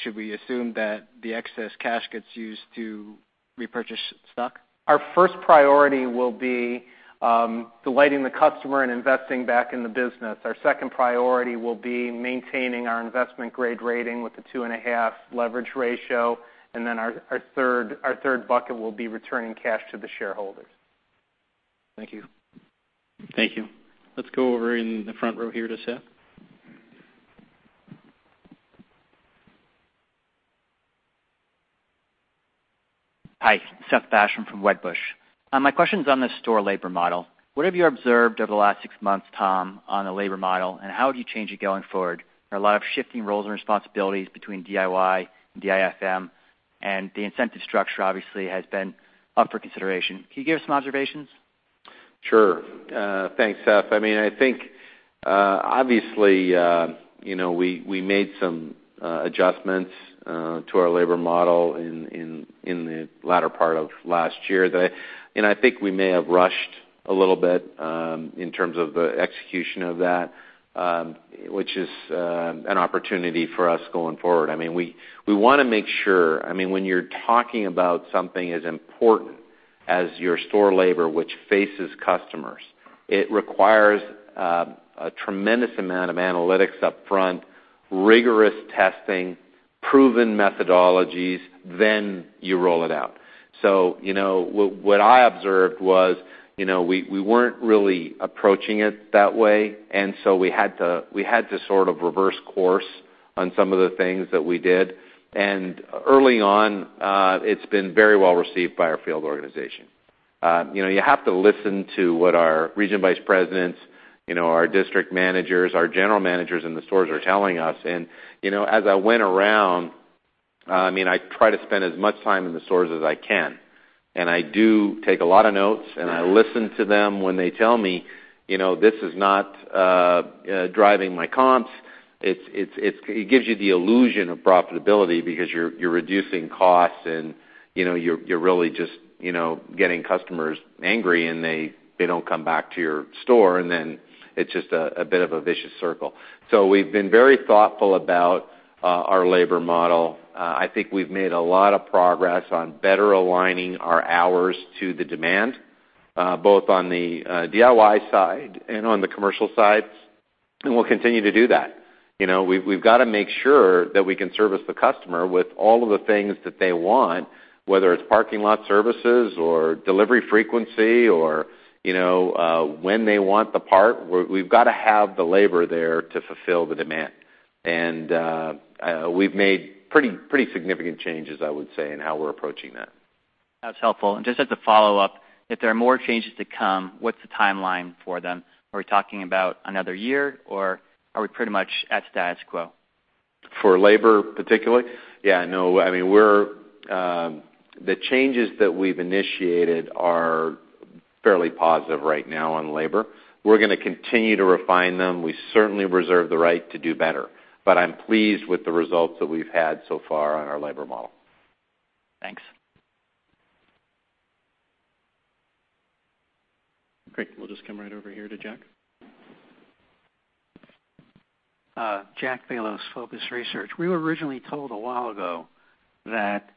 should we assume that the excess cash gets used to repurchase stock? Our first priority will be delighting the customer and investing back in the business. Our second priority will be maintaining our investment-grade rating with the two and a half leverage ratio. Our third bucket will be returning cash to the shareholders. Thank you. Thank you. Let's go over in the front row here to Seth. Hi, Seth Basham from Wedbush. My question's on the store labor model. What have you observed over the last six months, Tom, on the labor model, and how would you change it going forward? There are a lot of shifting roles and responsibilities between DIY and DIFM, and the incentive structure obviously has been up for consideration. Can you give us some observations? Sure. Thanks, Seth. I think, obviously, we made some adjustments to our labor model in the latter part of last year. I think we may have rushed a little bit in terms of the execution of that, which is an opportunity for us going forward. When you're talking about something as important as your store labor, which faces customers, it requires a tremendous amount of analytics upfront, rigorous testing, proven methodologies, then you roll it out. What I observed was we weren't really approaching it that way, and so we had to sort of reverse course on some of the things that we did. Early on, it's been very well-received by our field organization. You have to listen to what our region vice presidents, our district managers, our general managers in the stores are telling us. As I went around, I try to spend as much time in the stores as I can. I do take a lot of notes, and I listen to them when they tell me, "This is not driving my comps." It gives you the illusion of profitability because you're reducing costs and you're really just getting customers angry, and they don't come back to your store. Then it's just a bit of a vicious circle. We've been very thoughtful about our labor model. I think we've made a lot of progress on better aligning our hours to the demand, both on the DIY side and on the commercial sides, and we'll continue to do that. We've got to make sure that we can service the customer with all of the things that they want, whether it's parking lot services or delivery frequency or when they want the part. We've got to have the labor there to fulfill the demand. We've made pretty significant changes, I would say, in how we're approaching that. That's helpful. Just as a follow-up, if there are more changes to come, what's the timeline for them? Are we talking about another year, or are we pretty much at status quo? For labor particularly? Yeah, no. The changes that we've initiated are fairly positive right now on labor. We're going to continue to refine them. We certainly reserve the right to do better, but I'm pleased with the results that we've had so far on our labor model. Thanks. Great. We'll just come right over here to Jack. Jack Belus, Focus Research. We were originally told a while ago that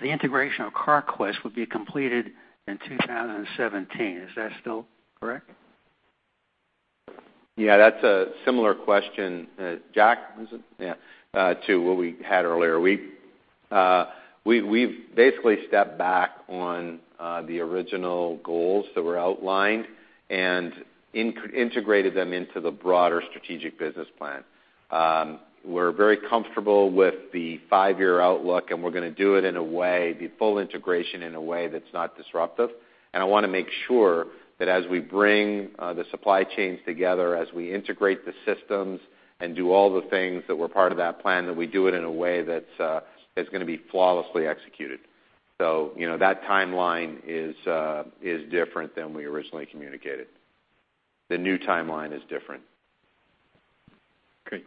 the integration of Carquest would be completed in 2017. Is that still correct? Yeah, that's a similar question, Jack, was it? Yeah, to what we had earlier. We've basically stepped back on the original goals that were outlined and integrated them into the broader strategic business plan. We're very comfortable with the five-year outlook, and we're going to do the full integration in a way that's not disruptive. I want to make sure that as we bring the supply chains together, as we integrate the systems and do all the things that were part of that plan, that we do it in a way that's going to be flawlessly executed. That timeline is different than we originally communicated. The new timeline is different. Great.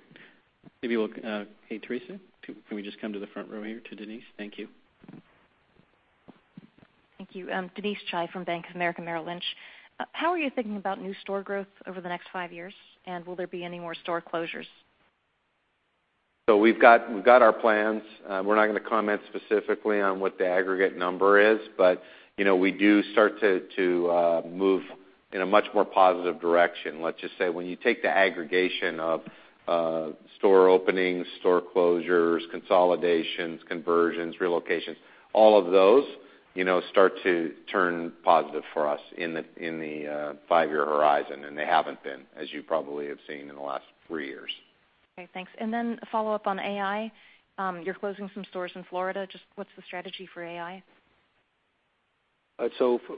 Hey, Theresa, can we just come to the front row here to Denise? Thank you. Thank you. Denise Chai from Bank of America Merrill Lynch. How are you thinking about new store growth over the next five years, will there be any more store closures? We've got our plans. We're not going to comment specifically on what the aggregate number is, we do start to move in a much more positive direction. Let's just say, when you take the aggregation of store openings, store closures, consolidations, conversions, relocations, all of those start to turn positive for us in the five-year horizon, they haven't been, as you probably have seen in the last three years. Okay, thanks. A follow-up on AI. You're closing some stores in Florida. Just what's the strategy for AI?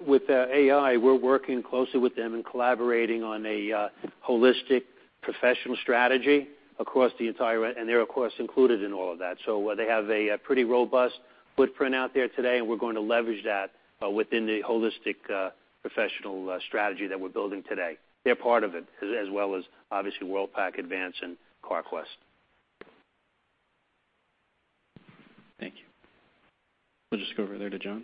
With AI, we're working closely with them and collaborating on a holistic professional strategy. They're, of course, included in all of that. They have a pretty robust footprint out there today, and we're going to leverage that within the holistic professional strategy that we're building today. They're part of it, as well as, obviously, Worldpac, Advance, and Carquest. Thank you. We'll just go over there to John.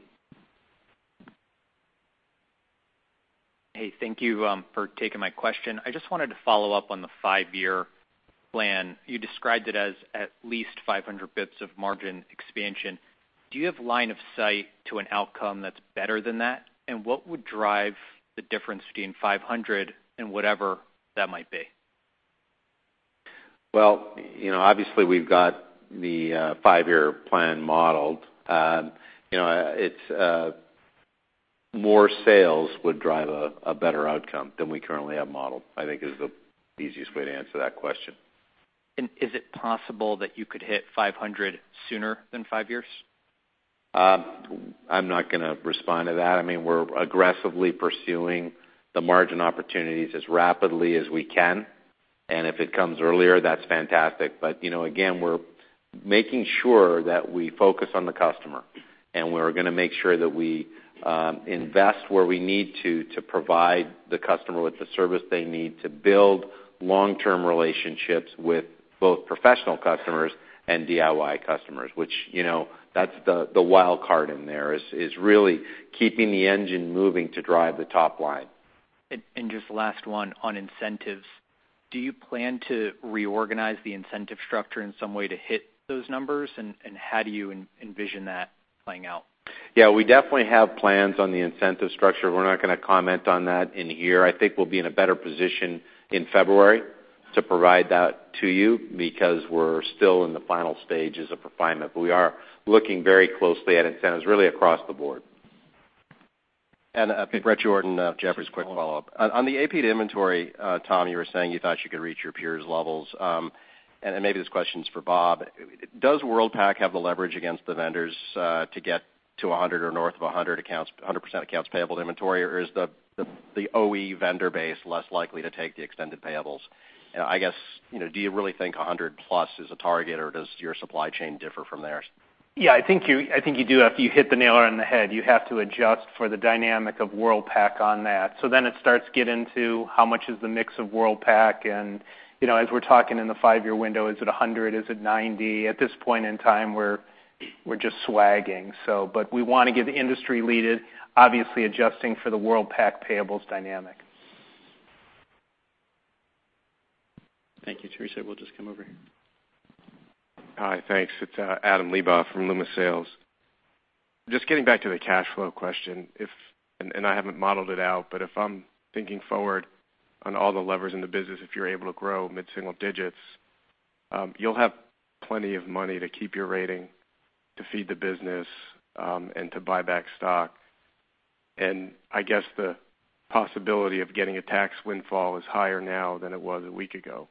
Hey, thank you for taking my question. I just wanted to follow up on the five-year plan. You described it as at least 500 basis points of margin expansion. Do you have line of sight to an outcome that's better than that? What would drive the difference between 500 and whatever that might be? Well, obviously, we've got the five-year plan modeled. More sales would drive a better outcome than we currently have modeled, I think is the easiest way to answer that question. Is it possible that you could hit 500 sooner than five years? I'm not going to respond to that. We're aggressively pursuing the margin opportunities as rapidly as we can, and if it comes earlier, that's fantastic. Again, we're making sure that we focus on the customer, and we're going to make sure that we invest where we need to provide the customer with the service they need to build long-term relationships with both professional customers and DIY customers. Which, that's the wild card in there, is really keeping the engine moving to drive the top line. Just last one on incentives. Do you plan to reorganize the incentive structure in some way to hit those numbers? How do you envision that playing out? Yeah, we definitely have plans on the incentive structure. We're not going to comment on that in here. I think we'll be in a better position in February to provide that to you because we're still in the final stages of refinement. We are looking very closely at incentives, really across the board. Bret Jordan, Jefferies, quick follow-up. On the AP to inventory, Tom, you were saying you thought you could reach your peers' levels, and maybe this question's for Bob. Does Worldpac have the leverage against the vendors to get to 100 or north of 100 accounts, 100% accounts payable to inventory? Or is the OE vendor base less likely to take the extended payables? I guess, do you really think 100 plus is a target, or does your supply chain differ from theirs? Yeah, I think you do. You hit the nail on the head. You have to adjust for the dynamic of Worldpac on that. It starts get into how much is the mix of Worldpac, and as we're talking in the five-year window, is it 100? Is it 90? At this point in time, we're just swagging. We want to get industry-leading, obviously adjusting for the Worldpac payables dynamic. Thank you. Theresa, we'll just come over here. Hi, thanks. It's Adam Lebow from Loomis Sayles. Just getting back to the cash flow question. I haven't modeled it out, but if I'm thinking forward on all the levers in the business, if you're able to grow mid-single digits, you'll have plenty of money to keep your rating, to feed the business, and to buy back stock. I guess the possibility of getting a tax windfall is higher now than it was a week ago.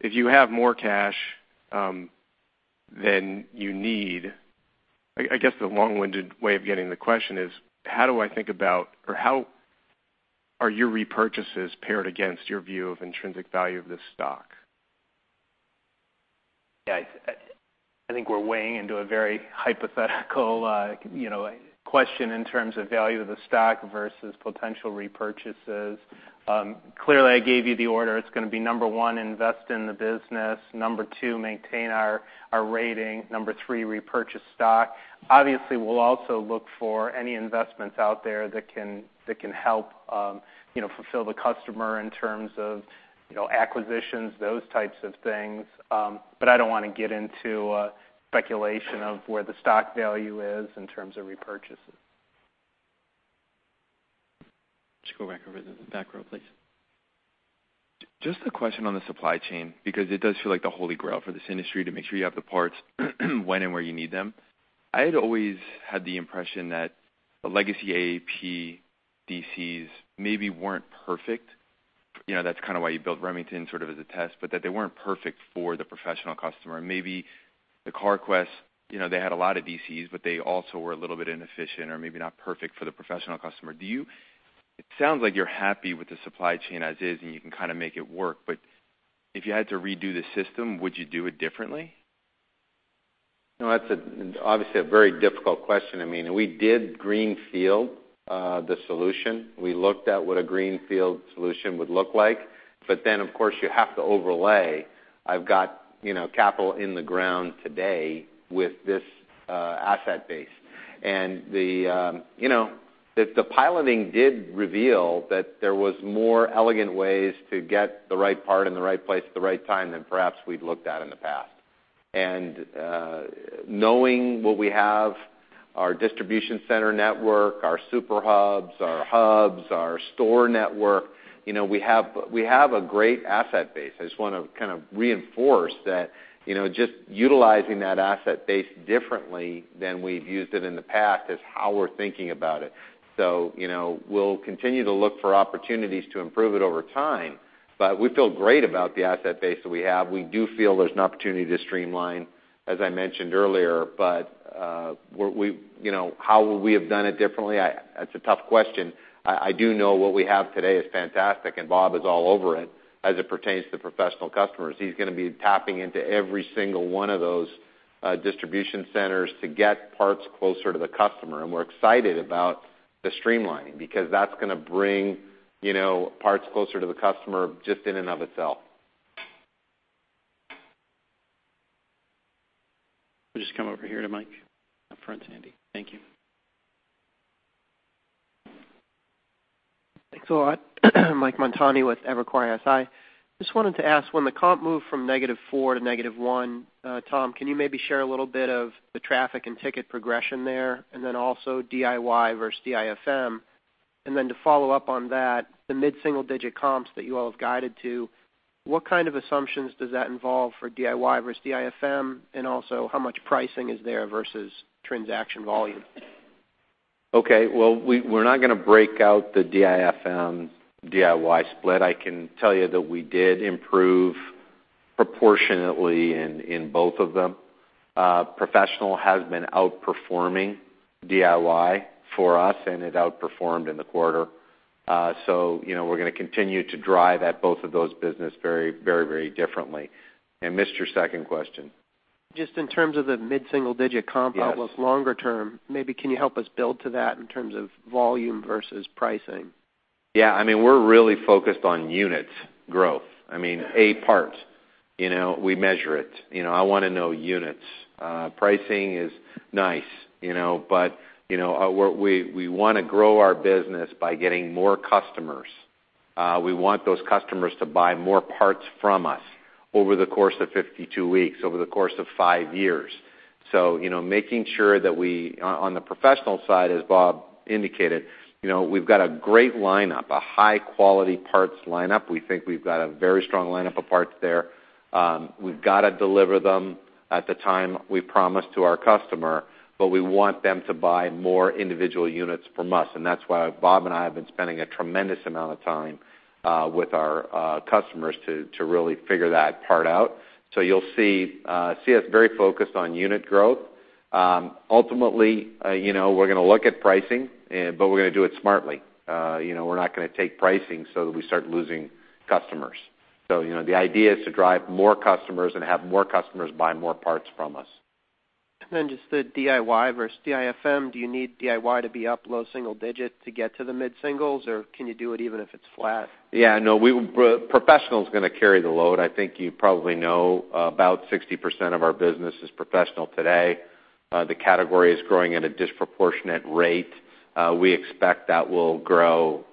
If you have more cash than you need, I guess the long-winded way of getting the question is, how do I think about, or how are your repurchases paired against your view of intrinsic value of this stock? Yeah. I think we're weighing into a very hypothetical question in terms of value of the stock versus potential repurchases. Clearly, I gave you the order. It's going to be number 1, invest in the business. Number 2, maintain our rating. Number 3, repurchase stock. Obviously, we'll also look for any investments out there that can help fulfill the customer in terms of acquisitions, those types of things. I don't want to get into speculation of where the stock value is in terms of repurchases. Just go back over to the back row, please. A question on the supply chain, because it does feel like the holy grail for this industry to make sure you have the parts when and where you need them. I had always had the impression that the legacy AAP DCs maybe weren't perfect. That's kind of why you built Remington sort of as a test, that they weren't perfect for the professional customer. Maybe the Carquest, they had a lot of DCs, they also were a little bit inefficient or maybe not perfect for the professional customer. It sounds like you're happy with the supply chain as is, and you can kind of make it work, if you had to redo the system, would you do it differently? No, that's obviously a very difficult question. We did greenfield the solution. We looked at what a greenfield solution would look like. Of course, you have to overlay, I've got capital in the ground today with this asset base. The piloting did reveal that there was more elegant ways to get the right part in the right place at the right time than perhaps we'd looked at in the past. Knowing what we have, our distribution center network, our super hubs, our hubs, our store network, we have a great asset base. I just want to kind of reinforce that just utilizing that asset base differently than we've used it in the past is how we're thinking about it. We'll continue to look for opportunities to improve it over time, we feel great about the asset base that we have. We do feel there's an opportunity to streamline, as I mentioned earlier. How would we have done it differently? That's a tough question. I do know what we have today is fantastic, Bob is all over it, as it pertains to professional customers. He's going to be tapping into every single one of those distribution centers to get parts closer to the customer. We're excited about the streamlining because that's going to bring parts closer to the customer just in and of itself. We'll just come over here to Mike, up front, Sandy. Thank you. Thanks a lot. Mike Montani with Evercore ISI. I just wanted to ask, when the comp moved from negative 4 to negative 1, Tom, can you maybe share a little bit of the traffic and ticket progression there, and then also DIY versus DIFM? To follow up on that, the mid-single digit comps that you all have guided to, what kind of assumptions does that involve for DIY versus DIFM, and also how much pricing is there versus transaction volume? Okay. Well, we're not going to break out the DIFM/DIY split. I can tell you that we did improve proportionately in both of them. Professional has been outperforming DIY for us, and it outperformed in the quarter. We're going to continue to drive at both of those business very, very differently. Missed your second question. Just in terms of the mid-single digit comp outlook longer term, maybe can you help us build to that in terms of volume versus pricing? Yeah, we're really focused on units growth. A part. We measure it. I want to know units. Pricing is nice, but we want to grow our business by getting more customers. We want those customers to buy more parts from us over the course of 52 weeks, over the course of 5 years. Making sure that we, on the Professional side, as Bob indicated, we've got a great lineup, a high-quality parts lineup. We think we've got a very strong lineup of parts there. We've got to deliver them at the time we promise to our customer, but we want them to buy more individual units from us. That's why Bob and I have been spending a tremendous amount of time with our customers to really figure that part out. You'll see us very focused on unit growth. Ultimately, we're going to look at pricing, but we're going to do it smartly. We're not going to take pricing so that we start losing customers. The idea is to drive more customers and have more customers buy more parts from us. Just the DIY versus DIFM, do you need DIY to be up low single digit to get to the mid singles, or can you do it even if it's flat? Yeah, no. Professional's going to carry the load. I think you probably know about 60% of our business is Professional today. The category is growing at a disproportionate rate. We expect that we'll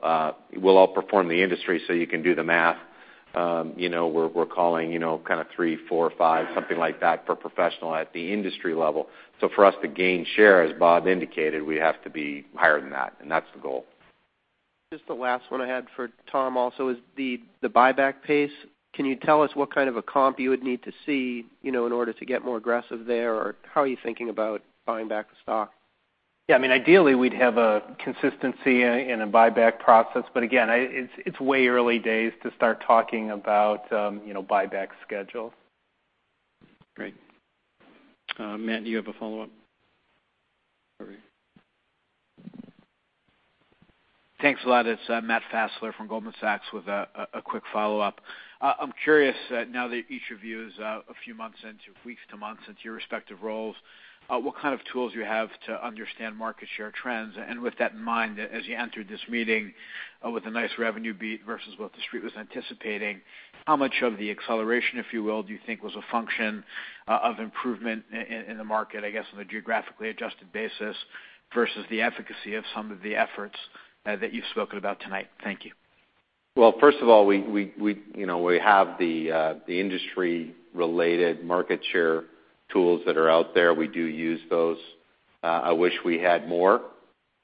outperform the industry, you can do the math. We're calling kind of three, four, five, something like that for Professional at the industry level. For us to gain share, as Bob indicated, we have to be higher than that, and that's the goal. Just the last one I had for Tom also is the buyback pace. Can you tell us what kind of a comp you would need to see in order to get more aggressive there? How are you thinking about buying back the stock? Ideally, we'd have a consistency in a buyback process. Again, it's way early days to start talking about buyback schedules. Great. Matt, do you have a follow-up? Sorry. Thanks a lot. It's Matt Fassler from Goldman Sachs with a quick follow-up. I'm curious, now that each of you is weeks to months into your respective roles, what kind of tools you have to understand market share trends? With that in mind, as you entered this meeting with a nice revenue beat versus what the Street was anticipating, how much of the acceleration, if you will, do you think was a function of improvement in the market, I guess, on a geographically adjusted basis, versus the efficacy of some of the efforts that you've spoken about tonight? Thank you. First of all, we have the industry-related market share tools that are out there. We do use those. I wish we had more,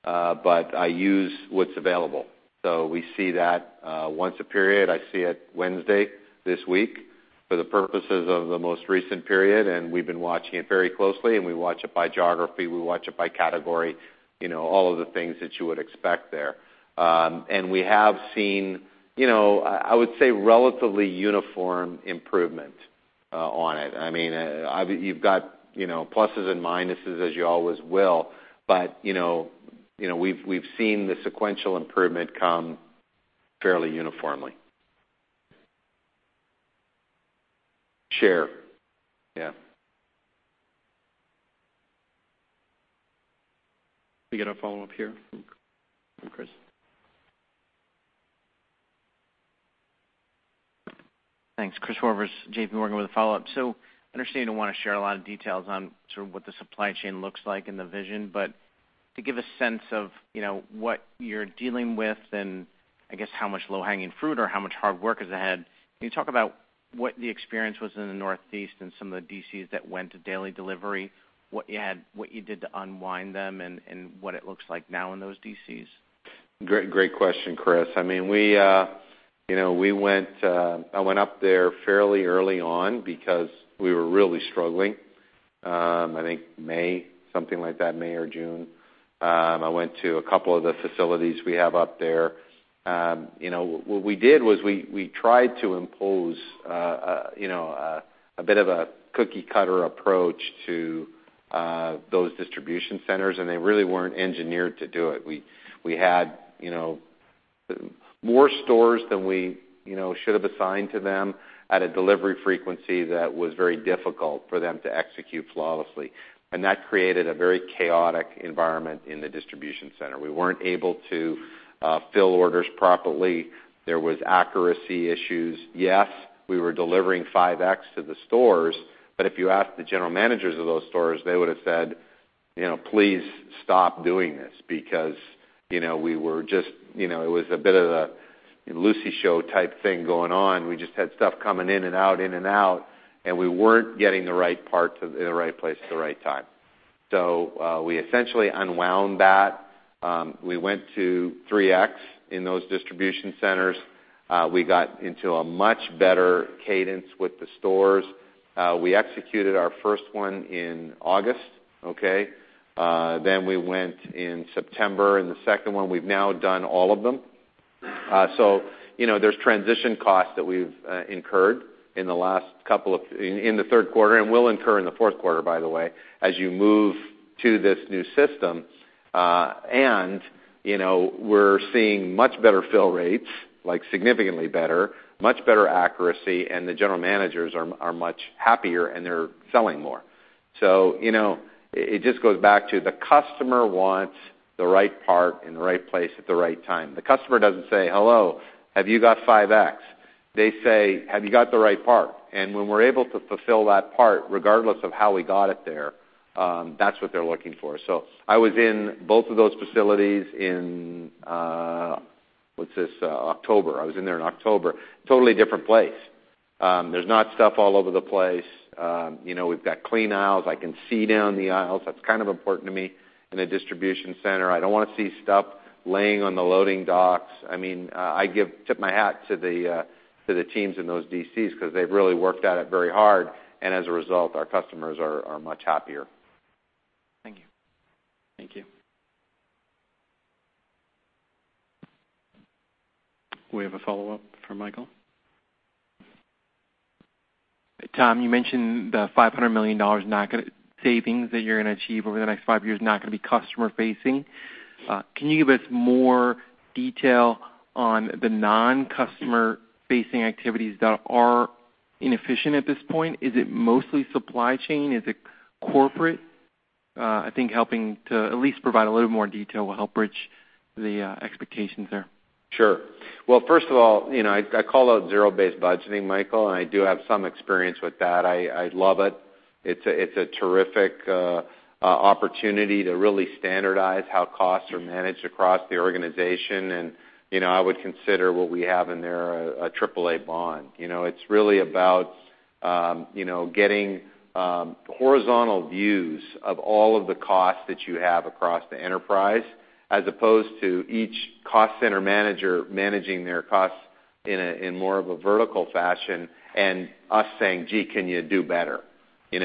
I use what's available. We see that once a period. I see it Wednesday this week for the purposes of the most recent period, and we've been watching it very closely, and we watch it by geography, we watch it by category, all of the things that you would expect there. We have seen, I would say, relatively uniform improvement on it. You've got pluses and minuses, as you always will, but we've seen the sequential improvement come fairly uniformly. Share. Yeah. We got a follow-up here from Chris. Thanks. Chris Horvers, J.P. Morgan with a follow-up. I understand you don't want to share a lot of details on sort of what the supply chain looks like and the vision, but to give a sense of what you're dealing with and I guess how much low-hanging fruit or how much hard work is ahead, can you talk about what the experience was in the Northeast and some of the DCs that went to daily delivery, what you did to unwind them, and what it looks like now in those DCs? Great question, Chris. I went up there fairly early on because we were really struggling. I think May, something like that, May or June. I went to a couple of the facilities we have up there. What we did was we tried to impose a bit of a cookie-cutter approach to those distribution centers. They really weren't engineered to do it. We had more stores than we should have assigned to them at a delivery frequency that was very difficult for them to execute flawlessly. That created a very chaotic environment in the distribution center. We weren't able to fill orders properly. There was accuracy issues. Yes, we were delivering 5X to the stores. If you ask the general managers of those stores, they would've said, "Please stop doing this," because it was a bit of a Lucy show type thing going on. We just had stuff coming in and out, in and out. We weren't getting the right parts in the right place at the right time. We essentially unwound that. We went to 3X in those distribution centers. We got into a much better cadence with the stores. We executed our first one in August, okay? We went in September in the second one. We've now done all of them. There's transition costs that we've incurred in the third quarter and will incur in the fourth quarter, by the way, as you move to this new system. We're seeing much better fill rates, like significantly better, much better accuracy, and the general managers are much happier, and they're selling more. It just goes back to the customer wants the right part in the right place at the right time. The customer doesn't say, "Hello, have you got 5X?" They say, "Have you got the right part?" When we're able to fulfill that part, regardless of how we got it there, that's what they're looking for. I was in both of those facilities in October. I was in there in October. Totally different place. There's not stuff all over the place. We've got clean aisles. I can see down the aisles. That's kind of important to me in a distribution center. I don't want to see stuff laying on the loading docks. I tip my hat to the teams in those DCs because they've really worked at it very hard, and as a result, our customers are much happier. Thank you. Thank you. We have a follow-up from Michael. Tom, you mentioned the $500 million savings that you're going to achieve over the next five years is not going to be customer-facing. Can you give us more detail on the non-customer-facing activities that are inefficient at this point? Is it mostly supply chain? Is it corporate? I think helping to at least provide a little more detail will help bridge the expectations there. Sure. Well, first of all, I call out zero-based budgeting, Michael, I do have some experience with that. I love it. It's a terrific opportunity to really standardize how costs are managed across the organization, and I would consider what we have in there a AAA bond. It's really about getting horizontal views of all of the costs that you have across the enterprise as opposed to each cost center manager managing their costs in more of a vertical fashion and us saying, "Gee, can you do better?" It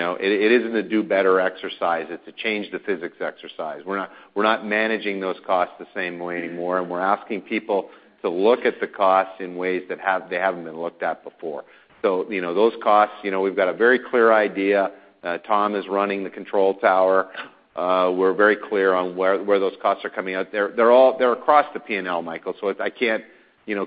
isn't a do better exercise, it's a change the physics exercise. We're not managing those costs the same way anymore, and we're asking people to look at the costs in ways that they haven't been looked at before. Those costs, we've got a very clear idea. Tom is running the control tower. We're very clear on where those costs are coming out. They're across the P&L, Michael, I can't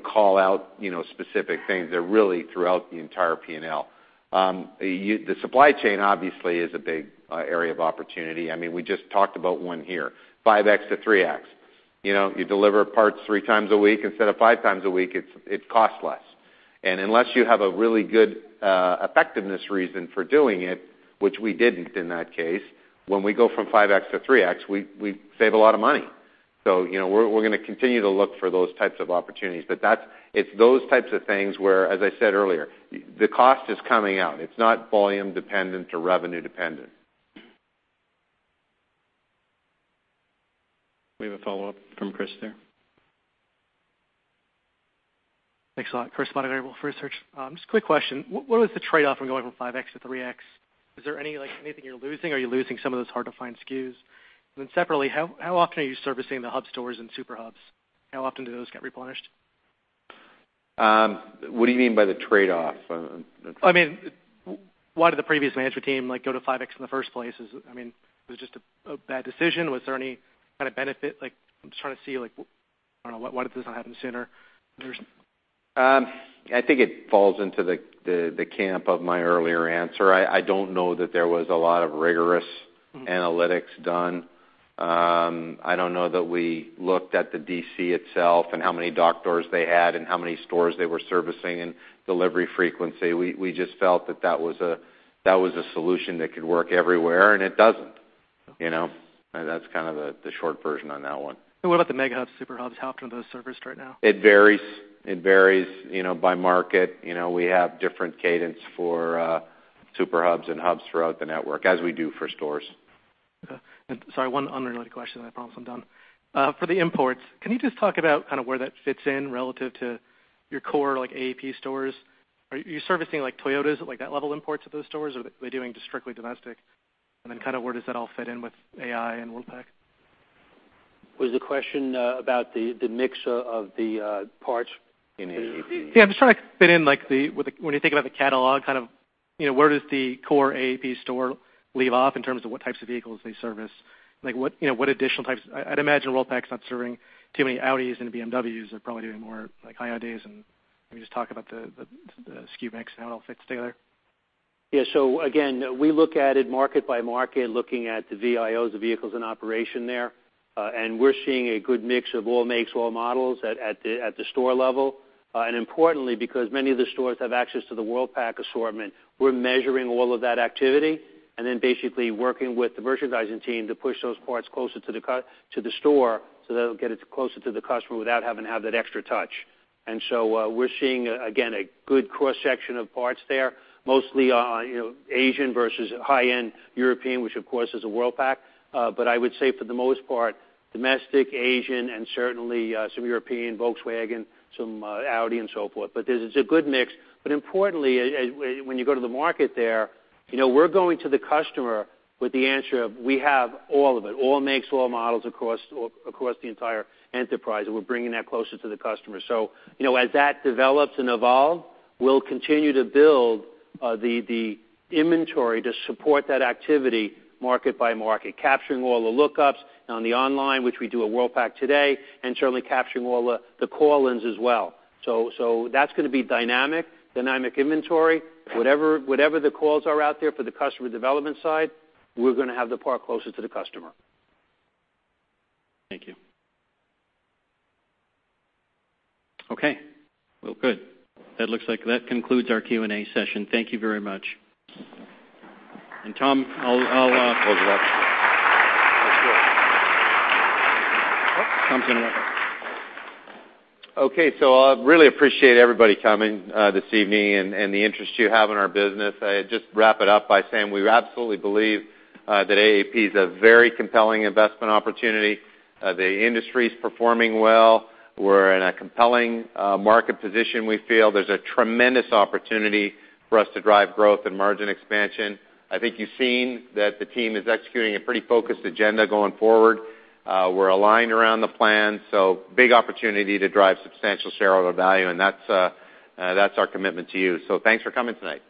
call out specific things. They're really throughout the entire P&L. The supply chain, obviously, is a big area of opportunity. We just talked about one here, 5X to 3X. You deliver parts three times a week instead of five times a week, it costs less. Unless you have a really good effectiveness reason for doing it, which we didn't in that case, when we go from 5X to 3X, we save a lot of money. We're going to continue to look for those types of opportunities. It's those types of things where, as I said earlier, the cost is coming out. It's not volume-dependent or revenue-dependent. We have a follow-up from Chris there. Thanks a lot. Chris Spota here, Wolfe Research. Just a quick question. What was the trade-off from going from 5X to 3X? Is there anything you're losing? Are you losing some of those hard-to-find SKUs? Separately, how often are you servicing the hub stores and super hubs? How often do those get replenished? What do you mean by the trade-off? Why did the previous management team go to 5X in the first place? Was it just a bad decision? Was there any kind of benefit? I'm just trying to see why this didn't happen sooner. I think it falls into the camp of my earlier answer. I don't know that there was a lot of rigorous analytics done. I don't know that we looked at the DC itself and how many dock doors they had and how many stores they were servicing and delivery frequency. We just felt that that was a solution that could work everywhere, and it doesn't. That's kind of the short version on that one. What about the mega hubs, super hubs? How often are those serviced right now? It varies by market. We have different cadence for super hubs and hubs throughout the network, as we do for stores. Okay. Sorry, one unrelated question, then I promise I'm done. For the imports, can you just talk about kind of where that fits in relative to your core AAP stores? Are you servicing Toyotas, like that level import to those stores, or are they doing just strictly domestic? Then kind of where does that all fit in with AI and Worldpac? Was the question about the mix of the parts in AAP? Yeah, I'm just trying to fit in, when you think about the catalog, kind of where does the core AAP store leave off in terms of what types of vehicles they service? I'd imagine Worldpac's not serving too many Audis and BMWs. They're probably doing more like Hyundais and maybe just talk about the SKU mix and how it all fits together. Yeah. Again, we look at it market by market, looking at the VIOs, the vehicles in operation there. We're seeing a good mix of all makes, all models at the store level. Importantly, because many of the stores have access to the Worldpac assortment, we're measuring all of that activity and then basically working with the merchandising team to push those parts closer to the store so that it'll get it closer to the customer without having to have that extra touch. We're seeing, again, a good cross-section of parts there, mostly Asian versus high-end European, which of course is a Worldpac. I would say for the most part, domestic Asian and certainly some European, Volkswagen, some Audi and so forth. There's a good mix. Importantly, when you go to the market there, we're going to the customer with the answer of we have all of it, all makes, all models across the entire enterprise, and we're bringing that closer to the customer. As that develops and evolves, we'll continue to build the inventory to support that activity market by market, capturing all the lookups on the online, which we do at Worldpac today, and certainly capturing all the call-ins as well. That's going to be dynamic inventory. Whatever the calls are out there for the customer development side, we're going to have the part closer to the customer. Thank you. Okay. Well, good. That looks like that concludes our Q&A session. Thank you very much. Tom, I'll- Close it up. Tom's going to wrap up. Okay. I really appreciate everybody coming this evening and the interest you have in our business. I'll just wrap it up by saying we absolutely believe that AAP is a very compelling investment opportunity. The industry's performing well. We're in a compelling market position, we feel. There's a tremendous opportunity for us to drive growth and margin expansion. I think you've seen that the team is executing a pretty focused agenda going forward. We're aligned around the plan. Big opportunity to drive substantial shareholder value, and that's our commitment to you. Thanks for coming tonight.